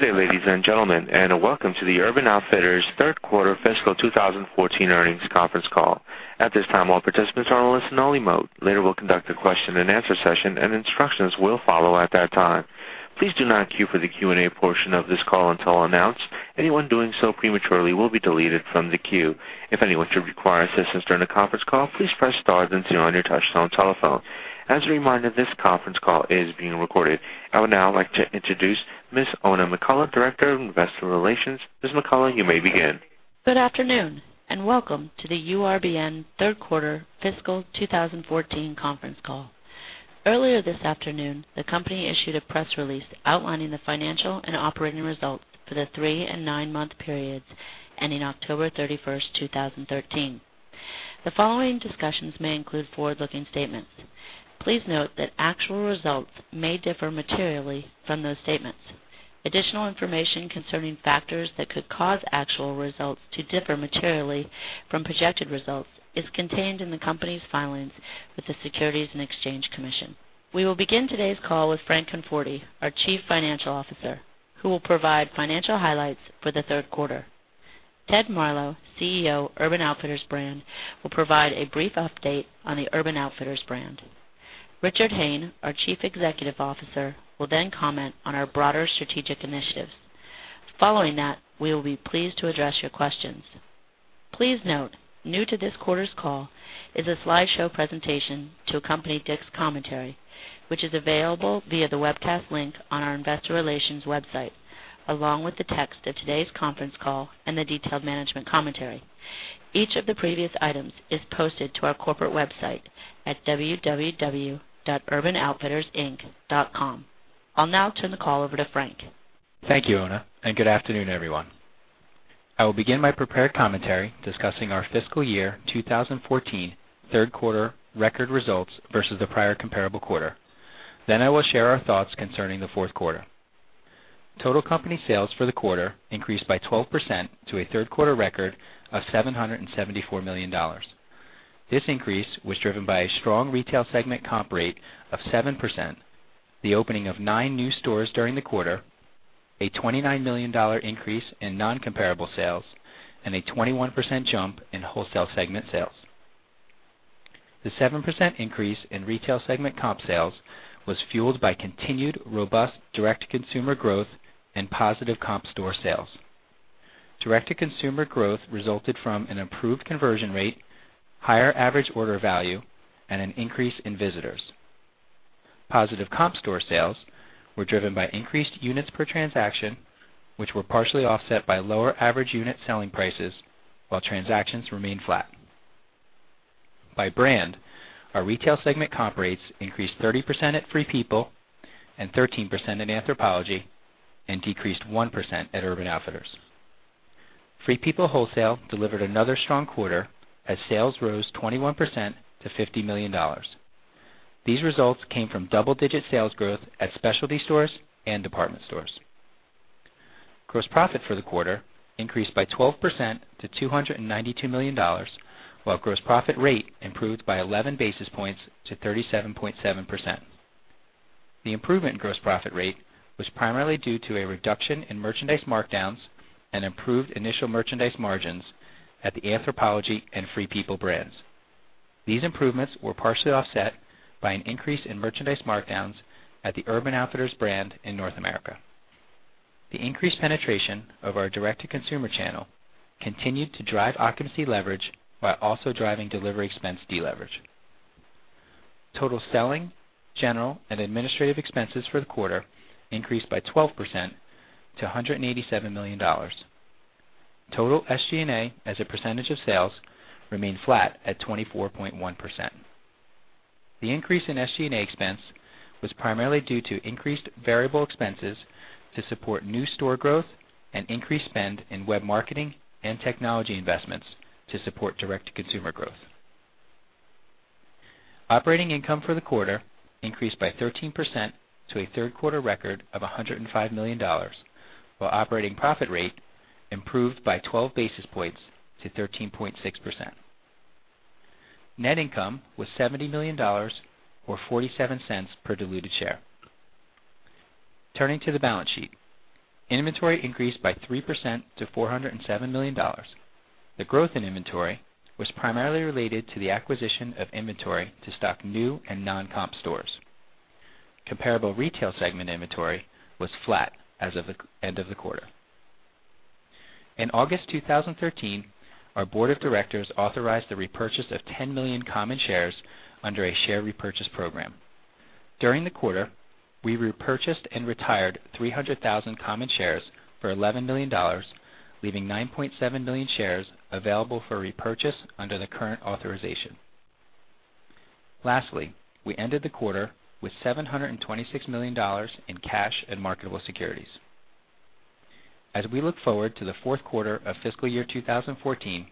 Good day, ladies and gentlemen, and welcome to the Urban Outfitters third quarter fiscal 2014 earnings conference call. At this time, all participants are on listen only mode. Later, we will conduct a question and answer session, and instructions will follow at that time. Please do not queue for the Q&A portion of this call until announced. Anyone doing so prematurely will be deleted from the queue. If anyone should require assistance during the conference call, please press star then zero on your touchtone telephone. As a reminder, this conference call is being recorded. I would now like to introduce Ms. Oona McCullough, Director of Investor Relations. Ms. McCullough, you may begin. Good afternoon, and welcome to the URBN third quarter fiscal 2014 conference call. Earlier this afternoon, the company issued a press release outlining the financial and operating results for the three- and nine-month periods ending October 31st, 2013. The following discussions may include forward-looking statements. Please note that actual results may differ materially from those statements. Additional information concerning factors that could cause actual results to differ materially from projected results is contained in the company's filings with the Securities and Exchange Commission. We will begin today's call with Frank Conforti, our Chief Financial Officer, who will provide financial highlights for the third quarter. Ted Marlow, CEO, Urban Outfitters brand, will provide a brief update on the Urban Outfitters brand. Richard Hayne, our Chief Executive Officer, will then comment on our broader strategic initiatives. Following that, we will be pleased to address your questions. Please note, new to this quarter's call is a slideshow presentation to accompany Dick's commentary, which is available via the webcast link on our investor relations website, along with the text of today's conference call and the detailed management commentary. Each of the previous items is posted to our corporate website at www.urbanoutfittersinc.com. I will now turn the call over to Frank. Thank you, Oona, and good afternoon, everyone. I will begin my prepared commentary discussing our fiscal year 2014 third quarter record results versus the prior comparable quarter. Then I will share our thoughts concerning the fourth quarter. Total company sales for the quarter increased by 12% to a third quarter record of $774 million. This increase was driven by a strong retail segment comp rate of 7%, the opening of nine new stores during the quarter, a $29 million increase in non-comparable sales, and a 21% jump in wholesale segment sales. The 7% increase in retail segment comp sales was fueled by continued robust direct-to-consumer growth and positive comp store sales. Direct-to-consumer growth resulted from an improved conversion rate, higher average order value, and an increase in visitors. Positive comp store sales were driven by increased units per transaction, which were partially offset by lower average unit selling prices while transactions remained flat. By brand, our retail segment comp rates increased 30% at Free People and 13% at Anthropologie and decreased 1% at Urban Outfitters. Free People wholesale delivered another strong quarter as sales rose 21% to $50 million. These results came from double-digit sales growth at specialty stores and department stores. Gross profit for the quarter increased by 12% to $292 million, while gross profit rate improved by 11 basis points to 37.7%. The improvement in gross profit rate was primarily due to a reduction in merchandise markdowns and improved initial merchandise margins at the Anthropologie and Free People brands. These improvements were partially offset by an increase in merchandise markdowns at the Urban Outfitters brand in North America. The increased penetration of our direct-to-consumer channel continued to drive occupancy leverage while also driving delivery expense deleverage. Total selling, general, and administrative expenses for the quarter increased by 12% to $187 million. Total SG&A as a percentage of sales remained flat at 24.1%. The increase in SG&A expense was primarily due to increased variable expenses to support new store growth and increased spend in web marketing and technology investments to support direct-to-consumer growth. Operating income for the quarter increased by 13% to a third quarter record of $105 million, while operating profit rate improved by 12 basis points to 13.6%. Net income was $70 million, or $0.47 per diluted share. Turning to the balance sheet. Inventory increased by 3% to $407 million. The growth in inventory was primarily related to the acquisition of inventory to stock new and non-comp stores. Comparable retail segment inventory was flat as of the end of the quarter. In August 2013, our board of directors authorized the repurchase of 10 million common shares under a share repurchase program. During the quarter, we repurchased and retired 300,000 common shares for $11 million, leaving 9.7 million shares available for repurchase under the current authorization. Lastly, we ended the quarter with $726 million in cash and marketable securities. As we look forward to the fourth quarter of fiscal year 2014,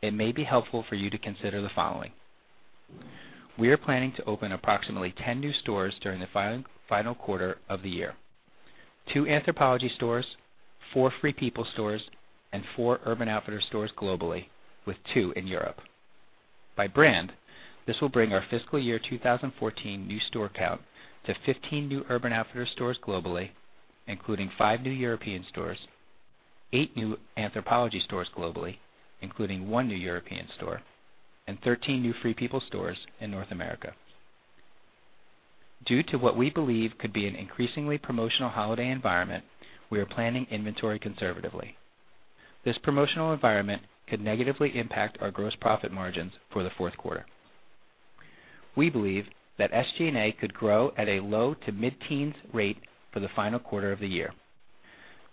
it may be helpful for you to consider the following. We are planning to open approximately 10 new stores during the final quarter of the year. Two Anthropologie stores, four Free People stores, and four Urban Outfitters stores globally, with two in Europe. By brand, this will bring our fiscal year 2014 new store count to 15 new Urban Outfitters stores globally, including five new European stores, eight new Anthropologie stores globally, including one new European store, and 13 new Free People stores in North America. Due to what we believe could be an increasingly promotional holiday environment, we are planning inventory conservatively. This promotional environment could negatively impact our gross profit margins for the fourth quarter. We believe that SG&A could grow at a low- to mid-teens rate for the final quarter of the year.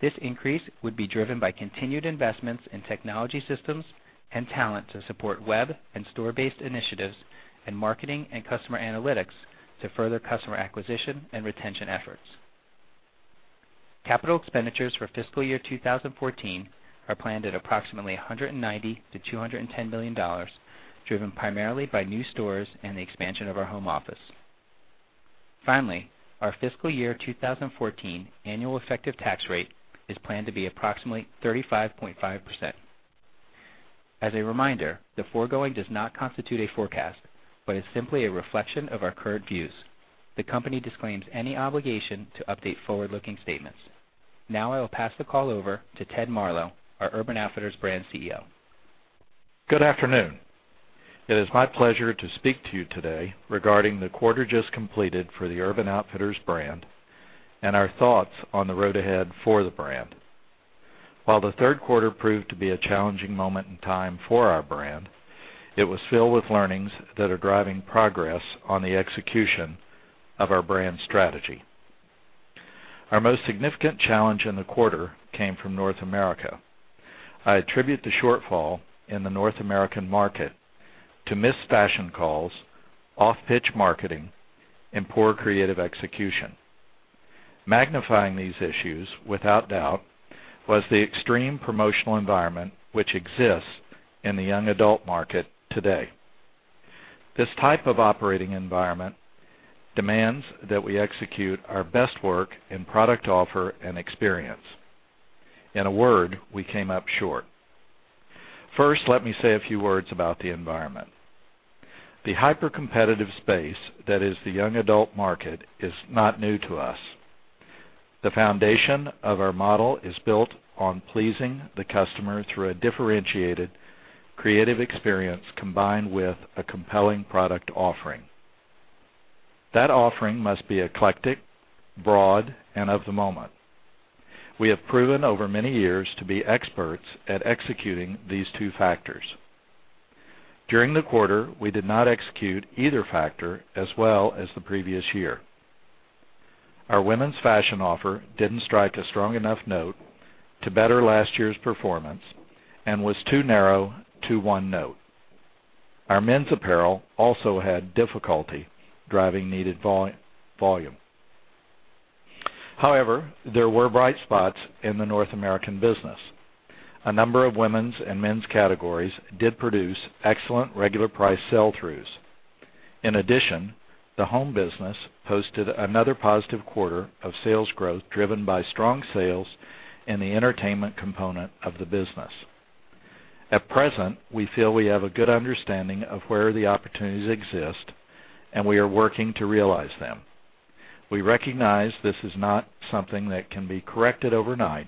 This increase would be driven by continued investments in technology systems and talent to support web and store-based initiatives in marketing and customer analytics to further customer acquisition and retention efforts. Capital expenditures for fiscal year 2014 are planned at approximately $190 million-$210 million, driven primarily by new stores and the expansion of our home office. Finally, our fiscal year 2014 annual effective tax rate is planned to be approximately 35.5%. As a reminder, the foregoing does not constitute a forecast, but is simply a reflection of our current views. The company disclaims any obligation to update forward-looking statements. Now I will pass the call over to Ted Marlow, our Urban Outfitters brand CEO. Good afternoon. It is my pleasure to speak to you today regarding the quarter just completed for the Urban Outfitters brand and our thoughts on the road ahead for the brand. While the third quarter proved to be a challenging moment in time for our brand, it was filled with learnings that are driving progress on the execution of our brand strategy. Our most significant challenge in the quarter came from North America. I attribute the shortfall in the North American market to missed fashion calls, off-pitch marketing, and poor creative execution. Magnifying these issues, without doubt, was the extreme promotional environment which exists in the young adult market today. This type of operating environment demands that we execute our best work and product offer and experience. In a word, we came up short. First, let me say a few words about the environment. The hyper-competitive space that is the young adult market is not new to us. The foundation of our model is built on pleasing the customer through a differentiated, creative experience, combined with a compelling product offering. That offering must be eclectic, broad, and of the moment. We have proven over many years to be experts at executing these two factors. During the quarter, we did not execute either factor as well as the previous year. Our women's fashion offer didn't strike a strong enough note to better last year's performance and was too narrow to one note. Our men's apparel also had difficulty driving needed volume. However, there were bright spots in the North American business. A number of women's and men's categories did produce excellent regular price sell-throughs. In addition, the home business posted another positive quarter of sales growth driven by strong sales in the entertainment component of the business. At present, we feel we have a good understanding of where the opportunities exist, and we are working to realize them. We recognize this is not something that can be corrected overnight.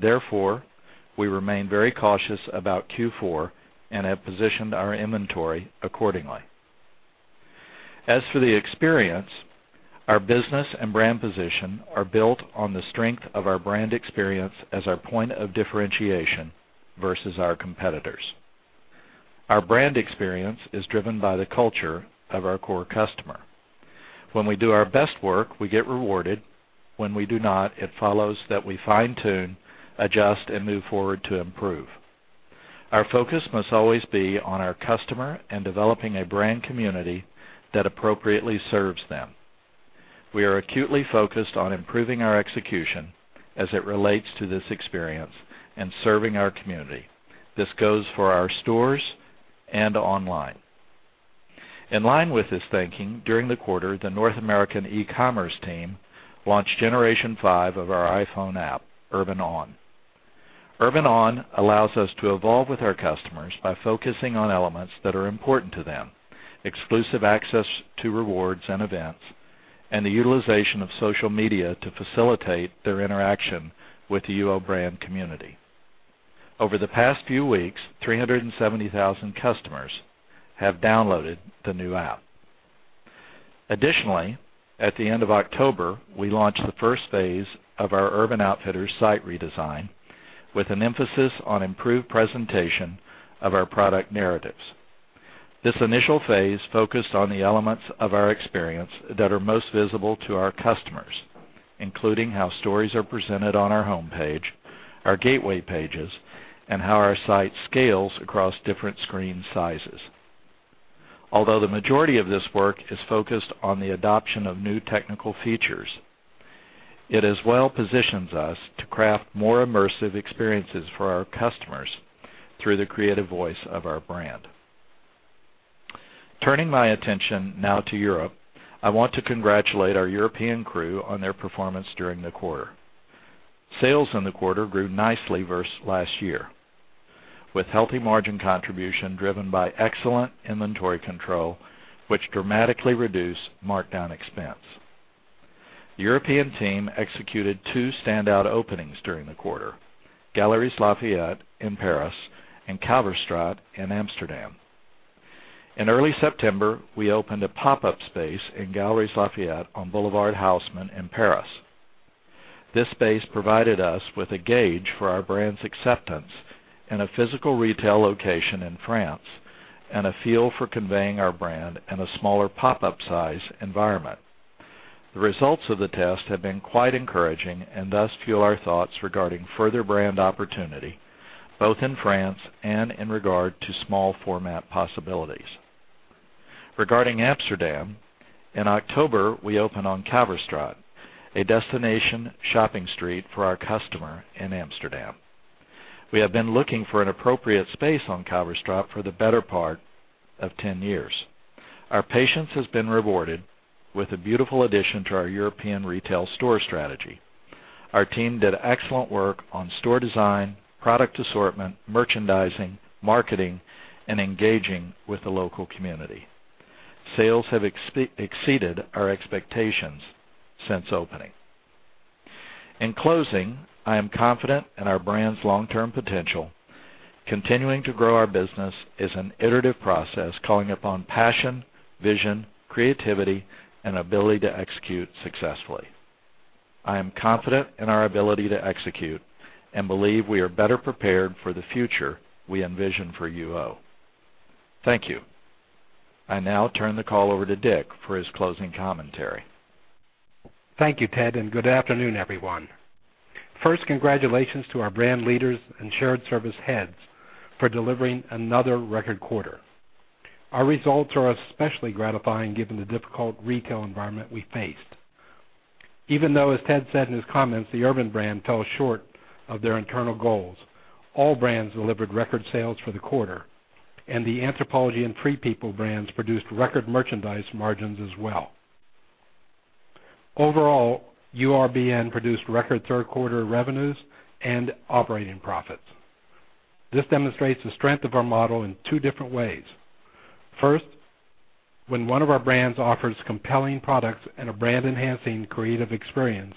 Therefore, we remain very cautious about Q4 and have positioned our inventory accordingly. As for the experience, our business and brand position are built on the strength of our brand experience as our point of differentiation versus our competitors. Our brand experience is driven by the culture of our core customer. When we do our best work, we get rewarded. When we do not, it follows that we fine-tune, adjust, and move forward to improve. Our focus must always be on our customer and developing a brand community that appropriately serves them. We are acutely focused on improving our execution as it relates to this experience and serving our community. This goes for our stores and online. In line with this thinking, during the quarter, the North American e-commerce team launched generation 5 of our iPhone app, Urban On. Urban On allows us to evolve with our customers by focusing on elements that are important to them, exclusive access to rewards and events, and the utilization of social media to facilitate their interaction with the UO brand community. Over the past few weeks, 370,000 customers have downloaded the new app. Additionally, at the end of October, we launched the first phase of our Urban Outfitters site redesign with an emphasis on improved presentation of our product narratives. This initial phase focused on the elements of our experience that are most visible to our customers, including how stories are presented on our homepage, our gateway pages, and how our site scales across different screen sizes. Although the majority of this work is focused on the adoption of new technical features, it as well positions us to craft more immersive experiences for our customers through the creative voice of our brand. Turning my attention now to Europe, I want to congratulate our European crew on their performance during the quarter. Sales in the quarter grew nicely versus last year, with healthy margin contribution driven by excellent inventory control, which dramatically reduced markdown expense. The European team executed two standout openings during the quarter, Galeries Lafayette in Paris and Kalverstraat in Amsterdam. In early September, we opened a pop-up space in Galeries Lafayette on Boulevard Haussmann in Paris. This space provided us with a gauge for our brand's acceptance in a physical retail location in France and a feel for conveying our brand in a smaller pop-up size environment. The results of the test have been quite encouraging and thus fuel our thoughts regarding further brand opportunity, both in France and in regard to small format possibilities. Regarding Amsterdam, in October, we opened on Kalverstraat, a destination shopping street for our customer in Amsterdam. We have been looking for an appropriate space on Kalverstraat for the better part of 10 years. Our patience has been rewarded with a beautiful addition to our European retail store strategy. Our team did excellent work on store design, product assortment, merchandising, marketing, and engaging with the local community. Sales have exceeded our expectations since opening. In closing, I am confident in our brand's long-term potential. Continuing to grow our business is an iterative process calling upon passion, vision, creativity, and ability to execute successfully. I am confident in our ability to execute and believe we are better prepared for the future we envision for UO. Thank you. I now turn the call over to Dick for his closing commentary. Thank you, Ted, and good afternoon, everyone. First, congratulations to our brand leaders and shared service heads for delivering another record quarter. Our results are especially gratifying given the difficult retail environment we faced. Even though, as Ted said in his comments, the Urban brand fell short of their internal goals, all brands delivered record sales for the quarter, and the Anthropologie and Free People brands produced record merchandise margins as well. Overall, URBN produced record third-quarter revenues and operating profits. This demonstrates the strength of our model in two different ways. First, when one of our brands offers compelling products and a brand-enhancing creative experience,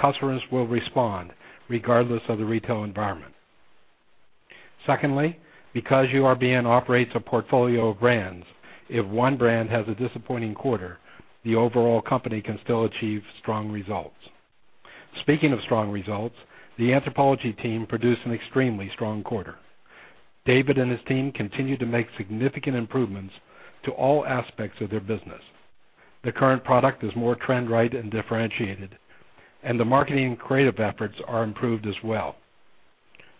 customers will respond regardless of the retail environment. Secondly, because URBN operates a portfolio of brands, if one brand has a disappointing quarter, the overall company can still achieve strong results. Speaking of strong results, the Anthropologie team produced an extremely strong quarter. David and his team continued to make significant improvements to all aspects of their business. The current product is more trend-right and differentiated, and the marketing and creative efforts are improved as well.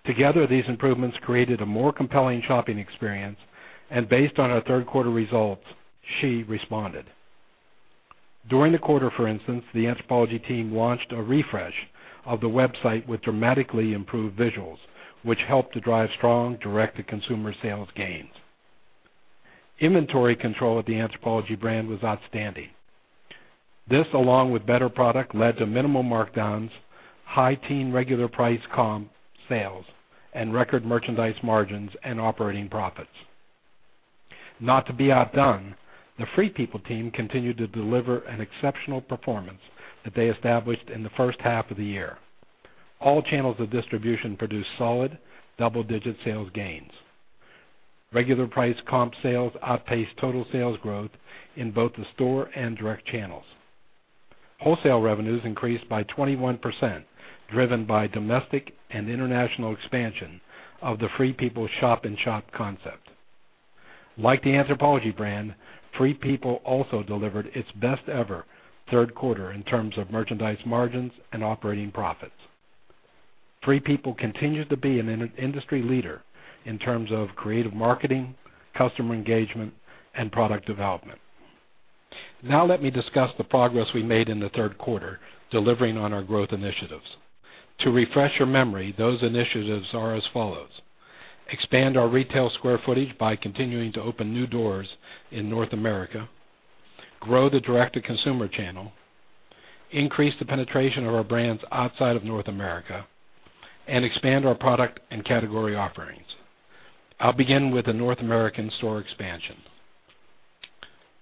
Together, these improvements created a more compelling shopping experience, and based on our third-quarter results, she responded. During the quarter, for instance, the Anthropologie team launched a refresh of the website with dramatically improved visuals, which helped to drive strong direct-to-consumer sales gains. Inventory control of the Anthropologie brand was outstanding. This, along with better product, led to minimum markdowns, high teen regular price comp sales, and record merchandise margins and operating profits. Not to be outdone, the Free People team continued to deliver an exceptional performance that they established in the first half of the year. All channels of distribution produced solid double-digit sales gains. Regular price comp sales outpaced total sales growth in both the store and direct channels. Wholesale revenues increased by 21%, driven by domestic and international expansion of the Free People shop-in-shop concept. Like the Anthropologie brand, Free People also delivered its best ever third quarter in terms of merchandise margins and operating profits. Free People continues to be an industry leader in terms of creative marketing, customer engagement, and product development. Now let me discuss the progress we made in the third quarter delivering on our growth initiatives. To refresh your memory, those initiatives are as follows: expand our retail square footage by continuing to open new doors in North America, grow the direct-to-consumer channel, increase the penetration of our brands outside of North America, and expand our product and category offerings. I'll begin with the North American store expansion.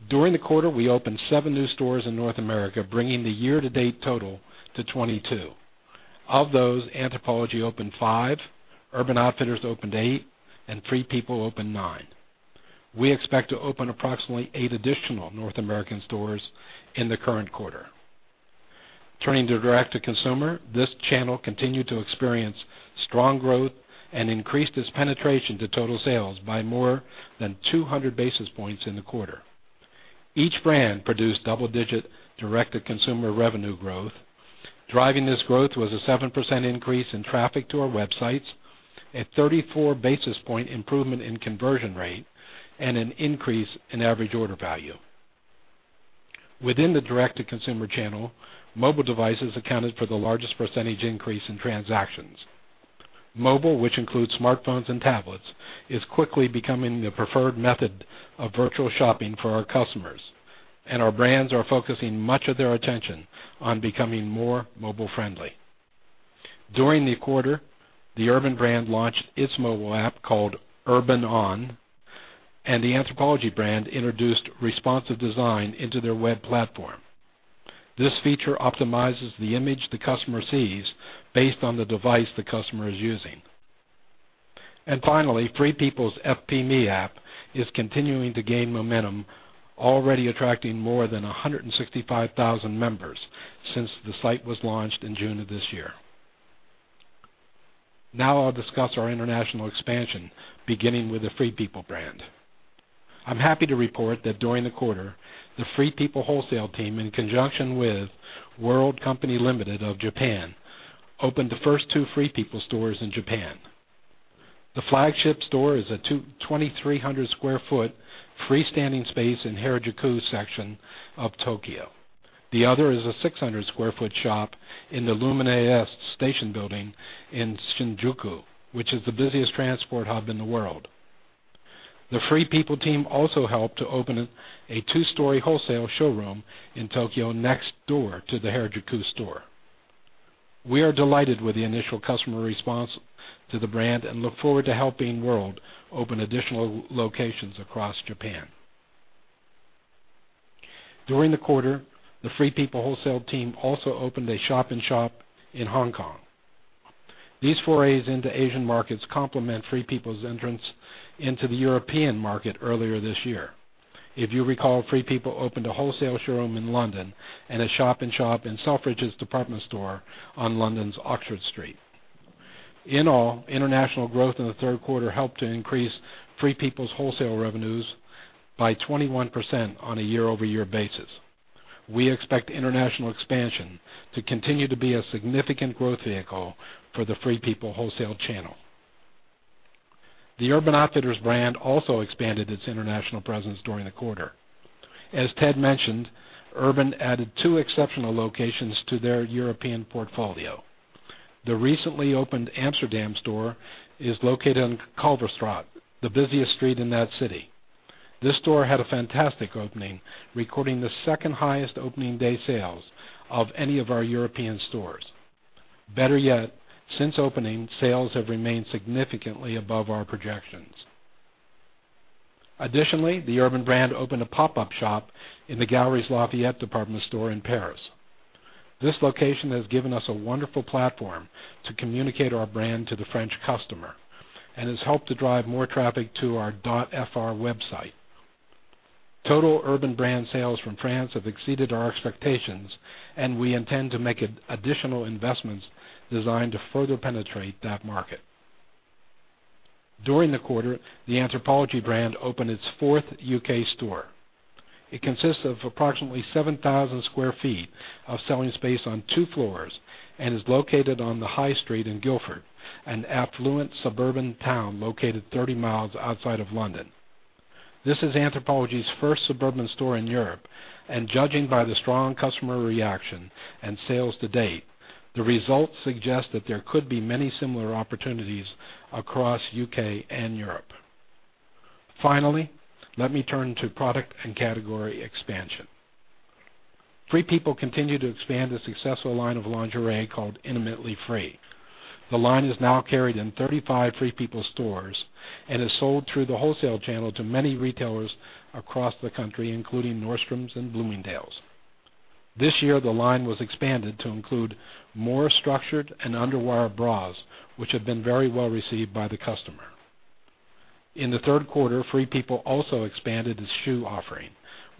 During the quarter, we opened seven new stores in North America, bringing the year-to-date total to 22. Of those, Anthropologie opened five, Urban Outfitters opened eight, and Free People opened nine. We expect to open approximately eight additional North American stores in the current quarter. Turning to direct-to-consumer, this channel continued to experience strong growth and increased its penetration to total sales by more than 200 basis points in the quarter. Each brand produced double-digit direct-to-consumer revenue growth. Driving this growth was a 7% increase in traffic to our websites, a 34-basis point improvement in conversion rate, and an increase in average order value. Within the direct-to-consumer channel, mobile devices accounted for the largest percentage increase in transactions. Mobile, which includes smartphones and tablets, is quickly becoming the preferred method of virtual shopping for our customers, and our brands are focusing much of their attention on becoming more mobile-friendly. During the quarter, the Urban brand launched its mobile app called Urban On, and the Anthropologie brand introduced responsive design into their web platform. This feature optimizes the image the customer sees based on the device the customer is using. Free People's FP Me app is continuing to gain momentum, already attracting more than 165,000 members since the site was launched in June of this year. I'll discuss our international expansion, beginning with the Free People brand. I'm happy to report that during the quarter, the Free People wholesale team, in conjunction with World Co., Ltd. of Japan, opened the first two Free People stores in Japan. The flagship store is a 2,300-square-foot freestanding space in Harajuku section of Tokyo. The other is a 600-square-foot shop in the Lumine EST station building in Shinjuku, which is the busiest transport hub in the world. The Free People team also helped to open a two-story wholesale showroom in Tokyo next door to the Harajuku store. We are delighted with the initial customer response to the brand and look forward to helping World open additional locations across Japan. During the quarter, the Free People wholesale team also opened a shop-in-shop in Hong Kong. These forays into Asian markets complement Free People's entrance into the European market earlier this year. If you recall, Free People opened a wholesale showroom in London and a shop-in-shop in Selfridges department store on London's Oxford Street. In all, international growth in the third quarter helped to increase Free People's wholesale revenues by 21% on a year-over-year basis. We expect international expansion to continue to be a significant growth vehicle for the Free People wholesale channel. The Urban Outfitters brand also expanded its international presence during the quarter. As Ted mentioned, Urban added two exceptional locations to their European portfolio. The recently opened Amsterdam store is located on Kalverstraat, the busiest street in that city. This store had a fantastic opening, recording the second highest opening-day sales of any of our European stores. Better yet, since opening, sales have remained significantly above our projections. The Urban brand opened a pop-up shop in the Galeries Lafayette department store in Paris. This location has given us a wonderful platform to communicate our brand to the French customer and has helped to drive more traffic to our .fr website. Total Urban brand sales from France have exceeded our expectations, and we intend to make additional investments designed to further penetrate that market. During the quarter, the Anthropologie brand opened its fourth U.K. store. It consists of approximately 7,000 square feet of selling space on two floors and is located on the High Street in Guildford, an affluent suburban town located 30 miles outside of London. This is Anthropologie's first suburban store in Europe, and judging by the strong customer reaction and sales to date, the results suggest that there could be many similar opportunities across U.K. and Europe. Let me turn to product and category expansion. Free People continue to expand a successful line of lingerie called Intimately Free. The line is now carried in 35 Free People stores and is sold through the wholesale channel to many retailers across the country, including Nordstrom and Bloomingdale's. This year, the line was expanded to include more structured and underwire bras, which have been very well received by the customer. In the third quarter, Free People also expanded its shoe offering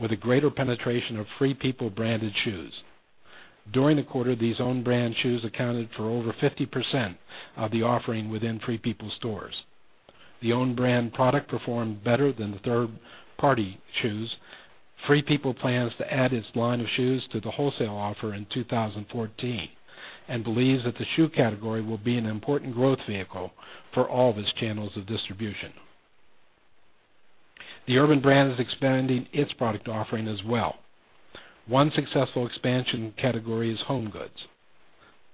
with a greater penetration of Free People branded shoes. During the quarter, these own brand shoes accounted for over 50% of the offering within Free People stores. The own brand product performed better than the third-party shoes. Free People plans to add its line of shoes to the wholesale offer in 2014 and believes that the shoe category will be an important growth vehicle for all of its channels of distribution. The Urban brand is expanding its product offering as well. One successful expansion category is home goods.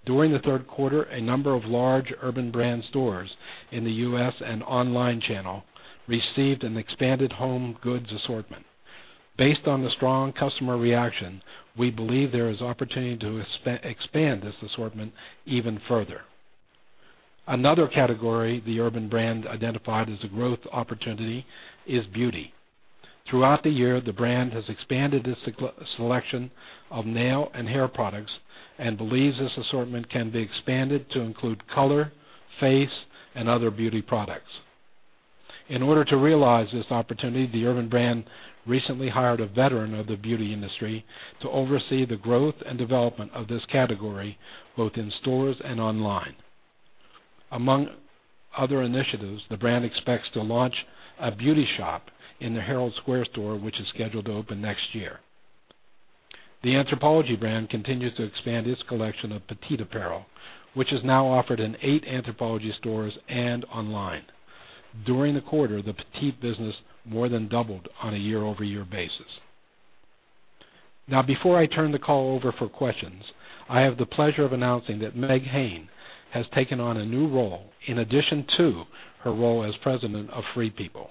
During the third quarter, a number of large Urban brand stores in the U.S. and online channel received an expanded home goods assortment. Based on the strong customer reaction, we believe there is opportunity to expand this assortment even further. Another category the Urban brand identified as a growth opportunity is beauty. Throughout the year, the brand has expanded its selection of nail and hair products and believes this assortment can be expanded to include color, face, and other beauty products. In order to realize this opportunity, the Urban brand recently hired a veteran of the beauty industry to oversee the growth and development of this category, both in stores and online. Among other initiatives, the brand expects to launch a beauty shop in the Herald Square store, which is scheduled to open next year. The Anthropologie brand continues to expand its collection of petite apparel, which is now offered in eight Anthropologie stores and online. During the quarter, the petite business more than doubled on a year-over-year basis. Now, before I turn the call over for questions, I have the pleasure of announcing that Meg Hayne has taken on a new role in addition to her role as President of Free People.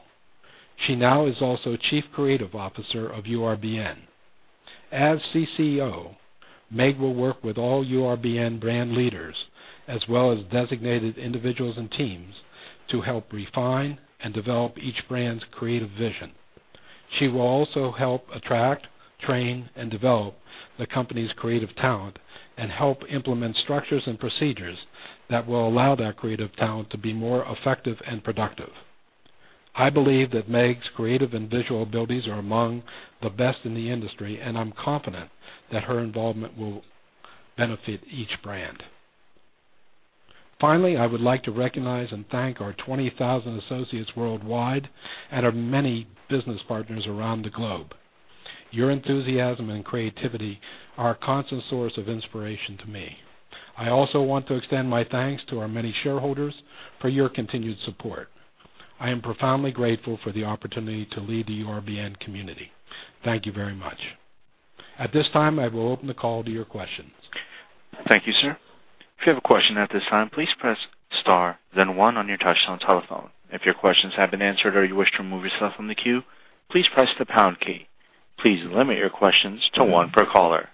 She now is also Chief Creative Officer of URBN. As CCO, Meg will work with all URBN brand leaders as well as designated individuals and teams to help refine and develop each brand's creative vision. She will also help attract, train, and develop the company's creative talent and help implement structures and procedures that will allow that creative talent to be more effective and productive. I believe that Meg's creative and visual abilities are among the best in the industry, and I'm confident that her involvement will benefit each brand. Finally, I would like to recognize and thank our 20,000 associates worldwide and our many business partners around the globe. Your enthusiasm and creativity are a constant source of inspiration to me. I also want to extend my thanks to our many shareholders for your continued support. I am profoundly grateful for the opportunity to lead the URBN community. Thank you very much. At this time, I will open the call to your questions. Thank you, sir. If you have a question at this time, please press star then one on your touch-tone telephone. If your questions have been answered or you wish to remove yourself from the queue, please press the pound key. Please limit your questions to one per caller.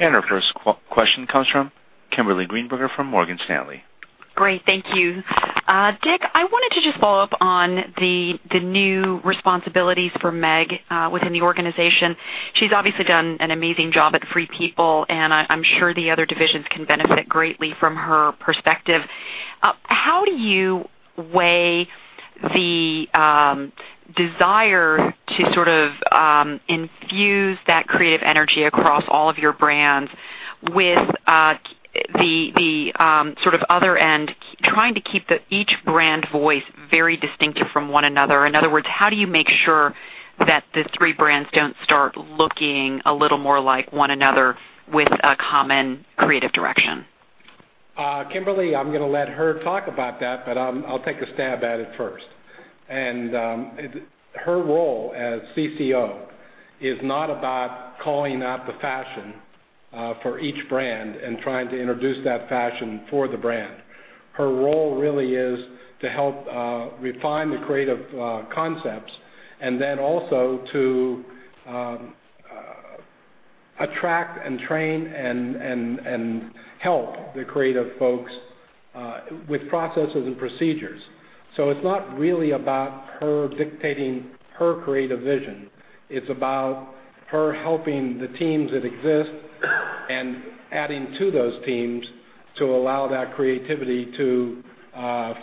Our first question comes from Kimberly Greenberger from Morgan Stanley. Great. Thank you. Dick, I wanted to just follow up on the new responsibilities for Meg within the organization. She's obviously done an amazing job at Free People, and I'm sure the other divisions can benefit greatly from her perspective. How do you weigh the desire to sort of infuse that creative energy across all of your brands with the sort of other end, trying to keep each brand voice very distinctive from one another? In other words, how do you make sure that the three brands don't start looking a little more like one another with a common creative direction? Kimberly, I'm going to let her talk about that, but I'll take a stab at it first. Her role as CCO is not about calling out the fashion for each brand and trying to introduce that fashion for the brand. Her role really is to help refine the creative concepts and then also to attract and train and help the creative folks with processes and procedures. It's not really about her dictating her creative vision. It's about her helping the teams that exist and adding to those teams to allow that creativity to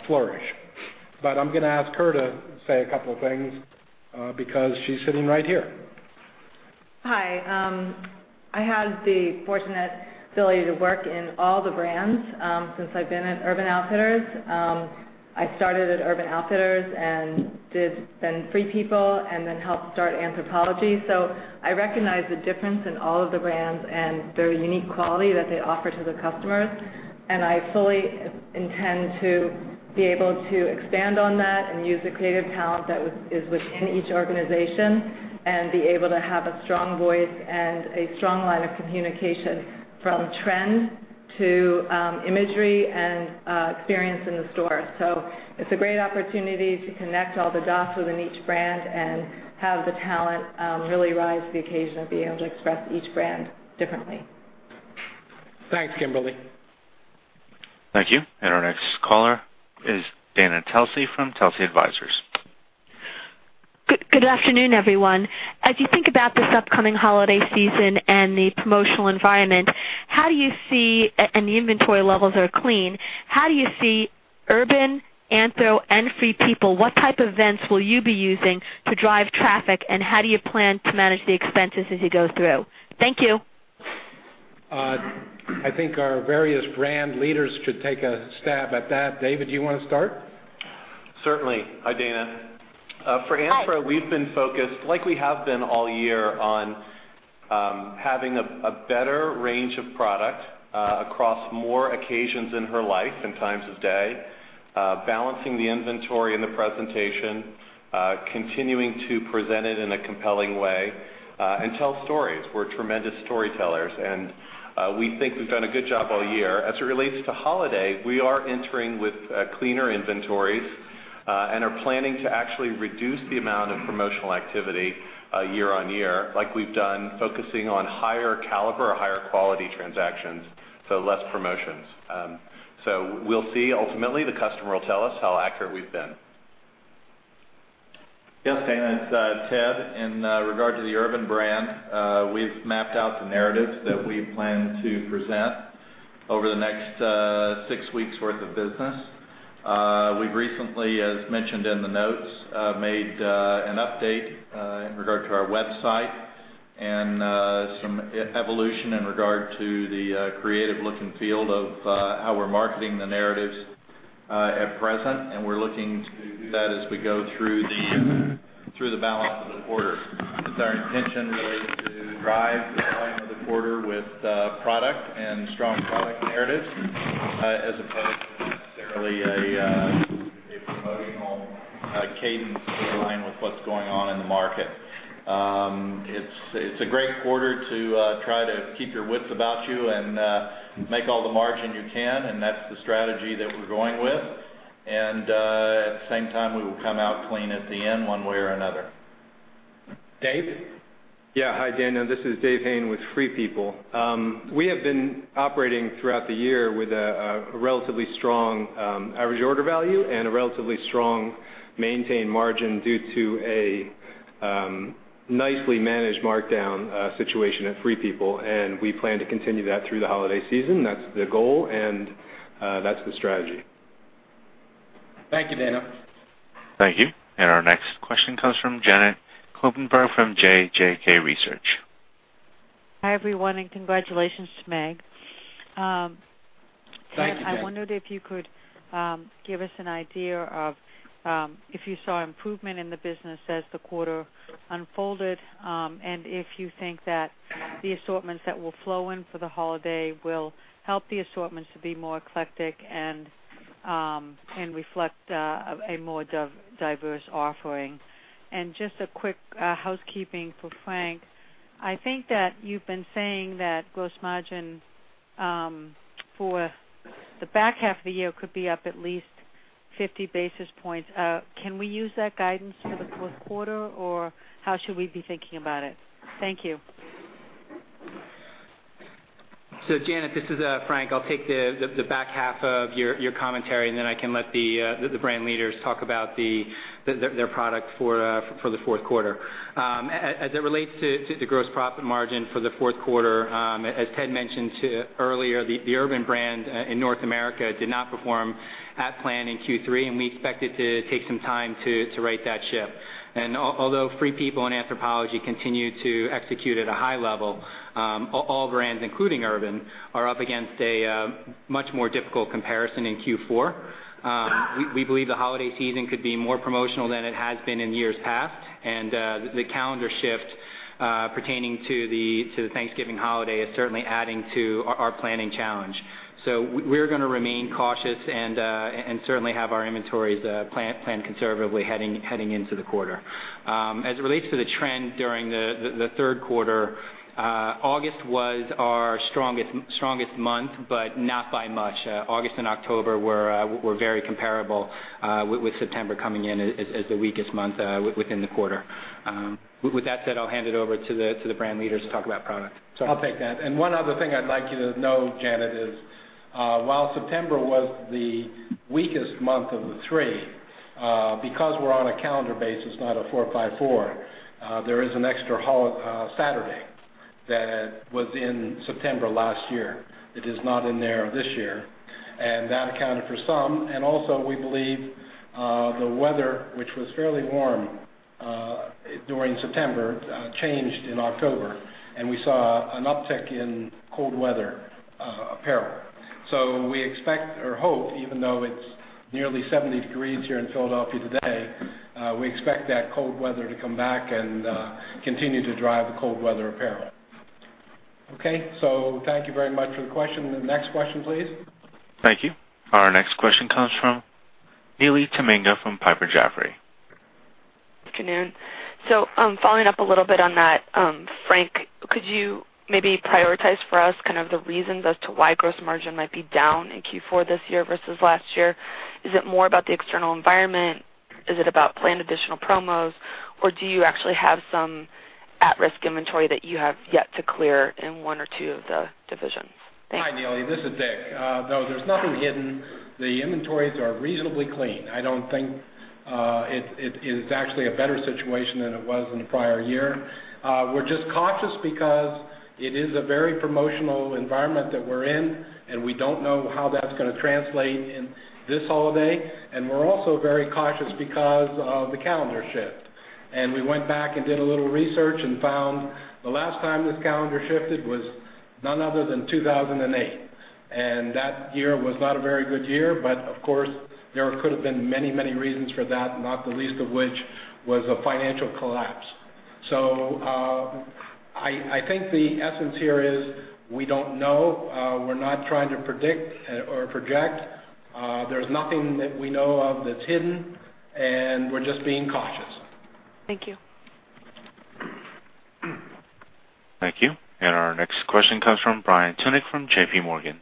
flourish. I'm going to ask her to say a couple of things because she's sitting right here. Hi. I had the fortunate ability to work in all the brands since I've been at Urban Outfitters. I started at Urban Outfitters and did then Free People and then helped start Anthropologie. I recognize the difference in all of the brands and their unique quality that they offer to the customers. I fully intend to be able to expand on that and use the creative talent that is within each organization and be able to have a strong voice and a strong line of communication from trend to imagery and experience in the store. It's a great opportunity to connect all the dots within each brand and have the talent really rise to the occasion of being able to express each brand differently. Thanks, Kimberly. Thank you. Our next caller is Dana Telsey from Telsey Advisory Group. Good afternoon, everyone. As you think about this upcoming holiday season, the promotional environment, and the inventory levels are clean, how do you see Urban, Anthro, and Free People, what type of events will you be using to drive traffic, and how do you plan to manage the expenses as you go through? Thank you. I think our various brand leaders should take a stab at that. David, do you want to start? Certainly. Hi, Dana. Hi. For Anthro, we've been focused, like we have been all year, on having a better range of product across more occasions in her life and times of day, balancing the inventory in the presentation, continuing to present it in a compelling way, and tell stories. We're tremendous storytellers, and we think we've done a good job all year. As it relates to holiday, we are entering with cleaner inventories and are planning to actually reduce the amount of promotional activity year-over-year, like we've done, focusing on higher caliber or higher quality transactions, less promotions. We'll see. Ultimately, the customer will tell us how accurate we've been. Yes, Dana, it's Ted. In regard to the Urban brand, we've mapped out the narratives that we plan to present over the next six weeks' worth of business. We've recently, as mentioned in the notes, made an update in regard to our website and some evolution in regard to the creative look and feel of how we're marketing the narratives at present, we're looking to do that as we go through the balance of the quarter. It's our intention really to drive the volume of the quarter with product and strong product narratives as opposed to necessarily. We're getting on a cadence to align with what's going on in the market. It's a great quarter to try to keep your wits about you and make all the margin you can, and that's the strategy that we're going with. At the same time, we will come out clean at the end, one way or another. Dave? Yeah. Hi, Dana. This is David Hayne with Free People. We have been operating throughout the year with a relatively strong average order value and a relatively strong maintained margin due to a nicely managed markdown situation at Free People. We plan to continue that through the holiday season. That's the goal. That's the strategy. Thank you, Dana. Thank you. Our next question comes from Janet Kloppenburg from JJK Research. Hi, everyone. Congratulations to Meg. Thanks, Janet. I wondered if you could give us an idea of if you saw improvement in the business as the quarter unfolded, and if you think that the assortments that will flow in for the holiday will help the assortments to be more eclectic and reflect a more diverse offering. Just a quick housekeeping for Frank. I think that you've been saying that gross margin for the back half of the year could be up at least 50 basis points. Can we use that guidance for the fourth quarter, or how should we be thinking about it? Thank you. Janet, this is Frank. I'll take the back half of your commentary, and then I can let the brand leaders talk about their product for the fourth quarter. As it relates to the gross profit margin for the fourth quarter, as Ted mentioned earlier, the Urban brand in North America did not perform at plan in Q3, and we expect it to take some time to right that ship. Although Free People and Anthropologie continue to execute at a high level, all brands, including Urban, are up against a much more difficult comparison in Q4. We believe the holiday season could be more promotional than it has been in years past, and the calendar shift pertaining to the Thanksgiving holiday is certainly adding to our planning challenge. We're going to remain cautious and certainly have our inventories planned conservatively heading into the quarter. As it relates to the trend during the third quarter, August was our strongest month, but not by much. August and October were very comparable, with September coming in as the weakest month within the quarter. With that said, I'll hand it over to the brand leaders to talk about product. I'll take that. One other thing I'd like you to know, Janet, is while September was the weakest month of the three, because we are on a calendar basis, not a 4-by-4, there is an extra Saturday that was in September last year. It is not in there this year. That accounted for some. We believe the weather, which was fairly warm during September, changed in October, and we saw an uptick in cold weather apparel. We expect or hope, even though it is nearly 70 degrees here in Philadelphia today, we expect that cold weather to come back and continue to drive the cold weather apparel. Okay. Thank you very much for the question. The next question, please. Thank you. Our next question comes from Neely Tamminga from Piper Jaffray. Good afternoon. Following up a little bit on that, Frank, could you maybe prioritize for us the reasons as to why gross margin might be down in Q4 this year versus last year? Is it more about the external environment? Is it about planned additional promos, or do you actually have some at-risk inventory that you have yet to clear in one or two of the divisions? Thanks. Hi, Neely. This is Dick. No, there is nothing hidden. The inventories are reasonably clean. I don't think it is actually a better situation than it was in the prior year. We are just cautious because it is a very promotional environment that we are in, and we don't know how that is going to translate in this holiday. We are also very cautious because of the calendar shift. We went back and did a little research and found the last time this calendar shifted was none other than 2008. That year was not a very good year, but of course, there could have been many reasons for that, not the least of which was a financial collapse. I think the essence here is we don't know. We are not trying to predict or project. There is nothing that we know of that is hidden, and we are just being cautious. Thank you. Thank you. Our next question comes from Brian Tunick from JP Morgan.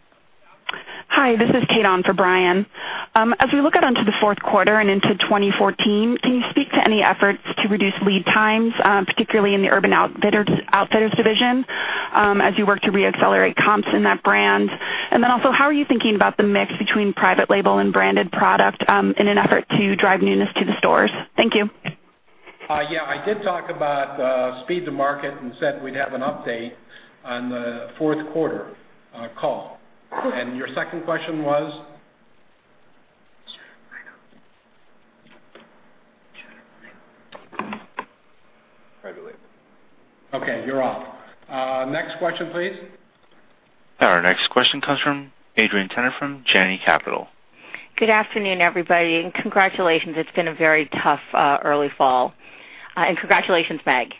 Hi. This is Kayon for Brian. As we look out onto the fourth quarter and into 2014, can you speak to any efforts to reduce lead times, particularly in the Urban Outfitters division as you work to re-accelerate comps in that brand? How are you thinking about the mix between private label and branded product in an effort to drive newness to the stores? Thank you. Yeah, I did talk about speed to market and said we'd have an update on the fourth quarter call. Your second question was? Private label. Okay, you're off. Next question, please. Our next question comes from Adrienne Tennant from Janney Capital Markets. Good afternoon, everybody, and congratulations. It's been a very tough early fall. Congratulations, Meg.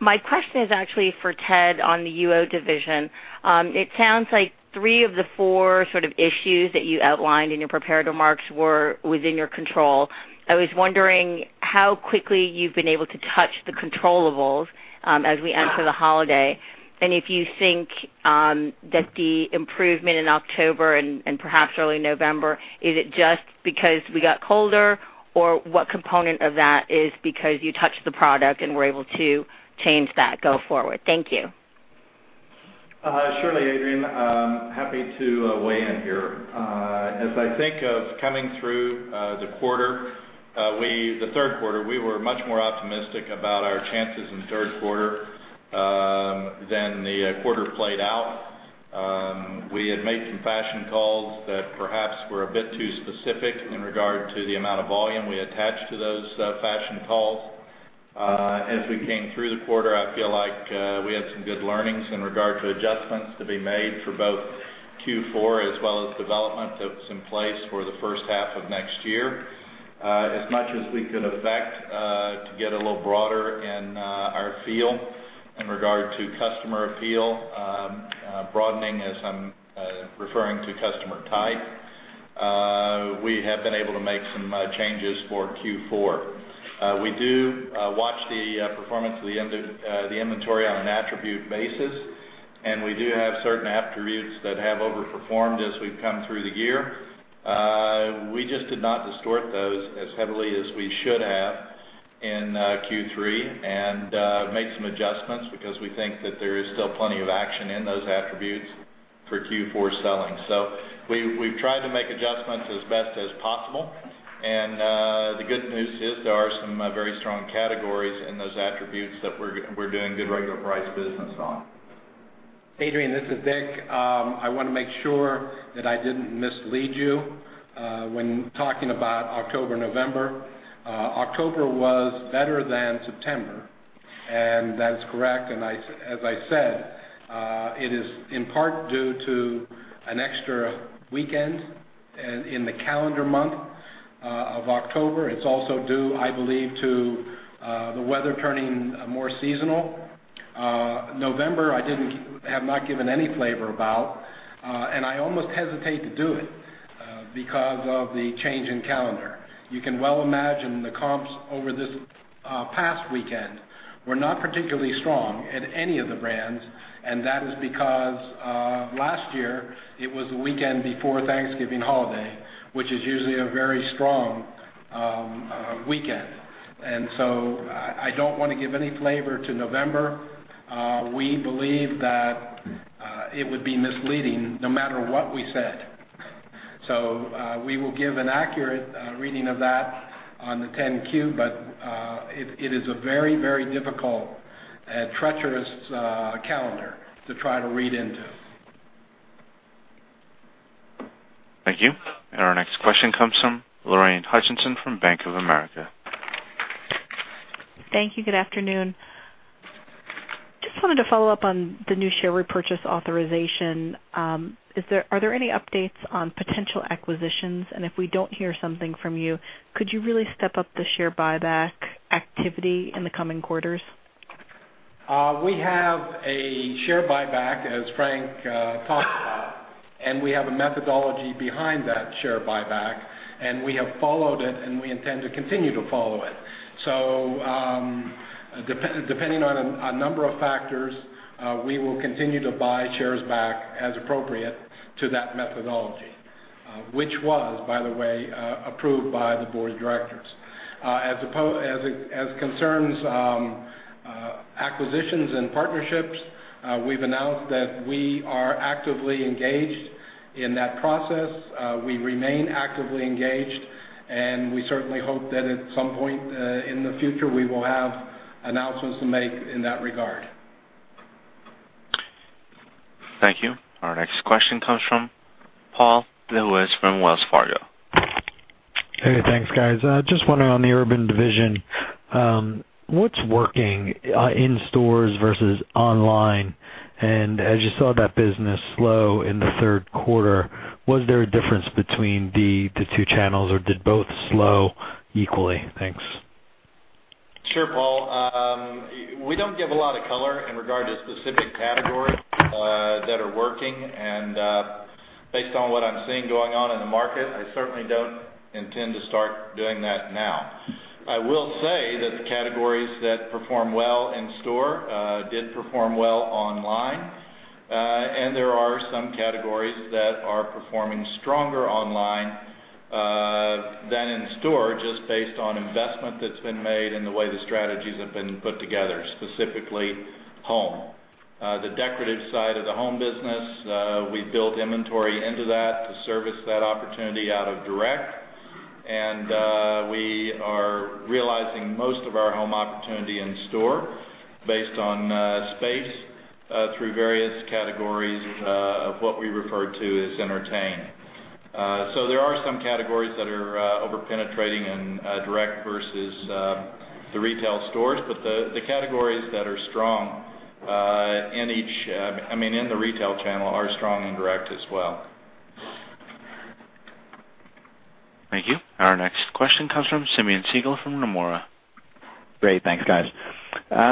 My question is actually for Ted on the UO division. It sounds like three of the four issues that you outlined in your prepared remarks were within your control. I was wondering how quickly you've been able to touch the controllables as we enter the holiday, and if you think that the improvement in October and perhaps early November, is it just because we got colder? Or what component of that is because you touched the product and were able to change that go forward? Thank you. Surely, Adrienne. Happy to weigh in here. As I think of coming through the third quarter, we were much more optimistic about our chances in the third quarter than the quarter played out. We had made some fashion calls that perhaps were a bit too specific in regard to the amount of volume we attached to those fashion calls. As we came through the quarter, I feel like we had some good learnings in regard to adjustments to be made for both Q4 as well as development that was in place for the first half of next year. As much as we could affect to get a little broader in our feel in regard to customer feel, broadening as I'm referring to customer type, we have been able to make some changes for Q4. We do watch the performance of the inventory on an attribute basis. We do have certain attributes that have overperformed as we've come through the year. We just did not distort those as heavily as we should have in Q3 and make some adjustments because we think that there is still plenty of action in those attributes for Q4 selling. We've tried to make adjustments as best as possible, and the good news is there are some very strong categories in those attributes that we're doing good regular price business on. Adrienne, this is Dick. I want to make sure that I didn't mislead you when talking about October, November. October was better than September, and that is correct. As I said, it is in part due to an extra weekend in the calendar month of October. It's also due, I believe, to the weather turning more seasonal. November, I have not given any flavor about, and I almost hesitate to do it because of the change in calendar. You can well imagine the comps over this past weekend were not particularly strong at any of the brands, and that is because last year it was the weekend before Thanksgiving holiday, which is usually a very strong weekend. I don't want to give any flavor to November. We believe that it would be misleading no matter what we said. We will give an accurate reading of that on the 10-Q, but it is a very difficult, treacherous calendar to try to read into. Thank you. Our next question comes from Lorraine Hutchinson from Bank of America. Thank you. Good afternoon. Just wanted to follow up on the new share repurchase authorization. Are there any updates on potential acquisitions? If we don't hear something from you, could you really step up the share buyback activity in the coming quarters? We have a share buyback, as Frank talked about, and we have a methodology behind that share buyback, and we have followed it, and we intend to continue to follow it. Depending on a number of factors, we will continue to buy shares back as appropriate to that methodology, which was, by the way, approved by the board of directors. As concerns acquisitions and partnerships, we've announced that we are actively engaged in that process. We remain actively engaged, and we certainly hope that at some point in the future, we will have announcements to make in that regard. Thank you. Our next question comes from Paul Lejuez from Wells Fargo. Hey, thanks, guys. Just wondering on the Urban division, what's working in stores versus online? As you saw that business slow in the third quarter, was there a difference between the two channels, or did both slow equally? Thanks. Sure, Paul. We don't give a lot of color in regard to specific categories that are working. Based on what I'm seeing going on in the market, I certainly don't intend to start doing that now. I will say that the categories that perform well in store did perform well online. There are some categories that are performing stronger online than in store just based on investment that's been made and the way the strategies have been put together, specifically home. The decorative side of the home business, we built inventory into that to service that opportunity out of direct. We are realizing most of our home opportunity in store based on space through various categories of what we refer to as entertain. There are some categories that are over-penetrating in direct versus the retail stores, but the categories that are strong in the retail channel are strong in direct as well. Thank you. Our next question comes from Simeon Siegel from Nomura. Great. Thanks, guys.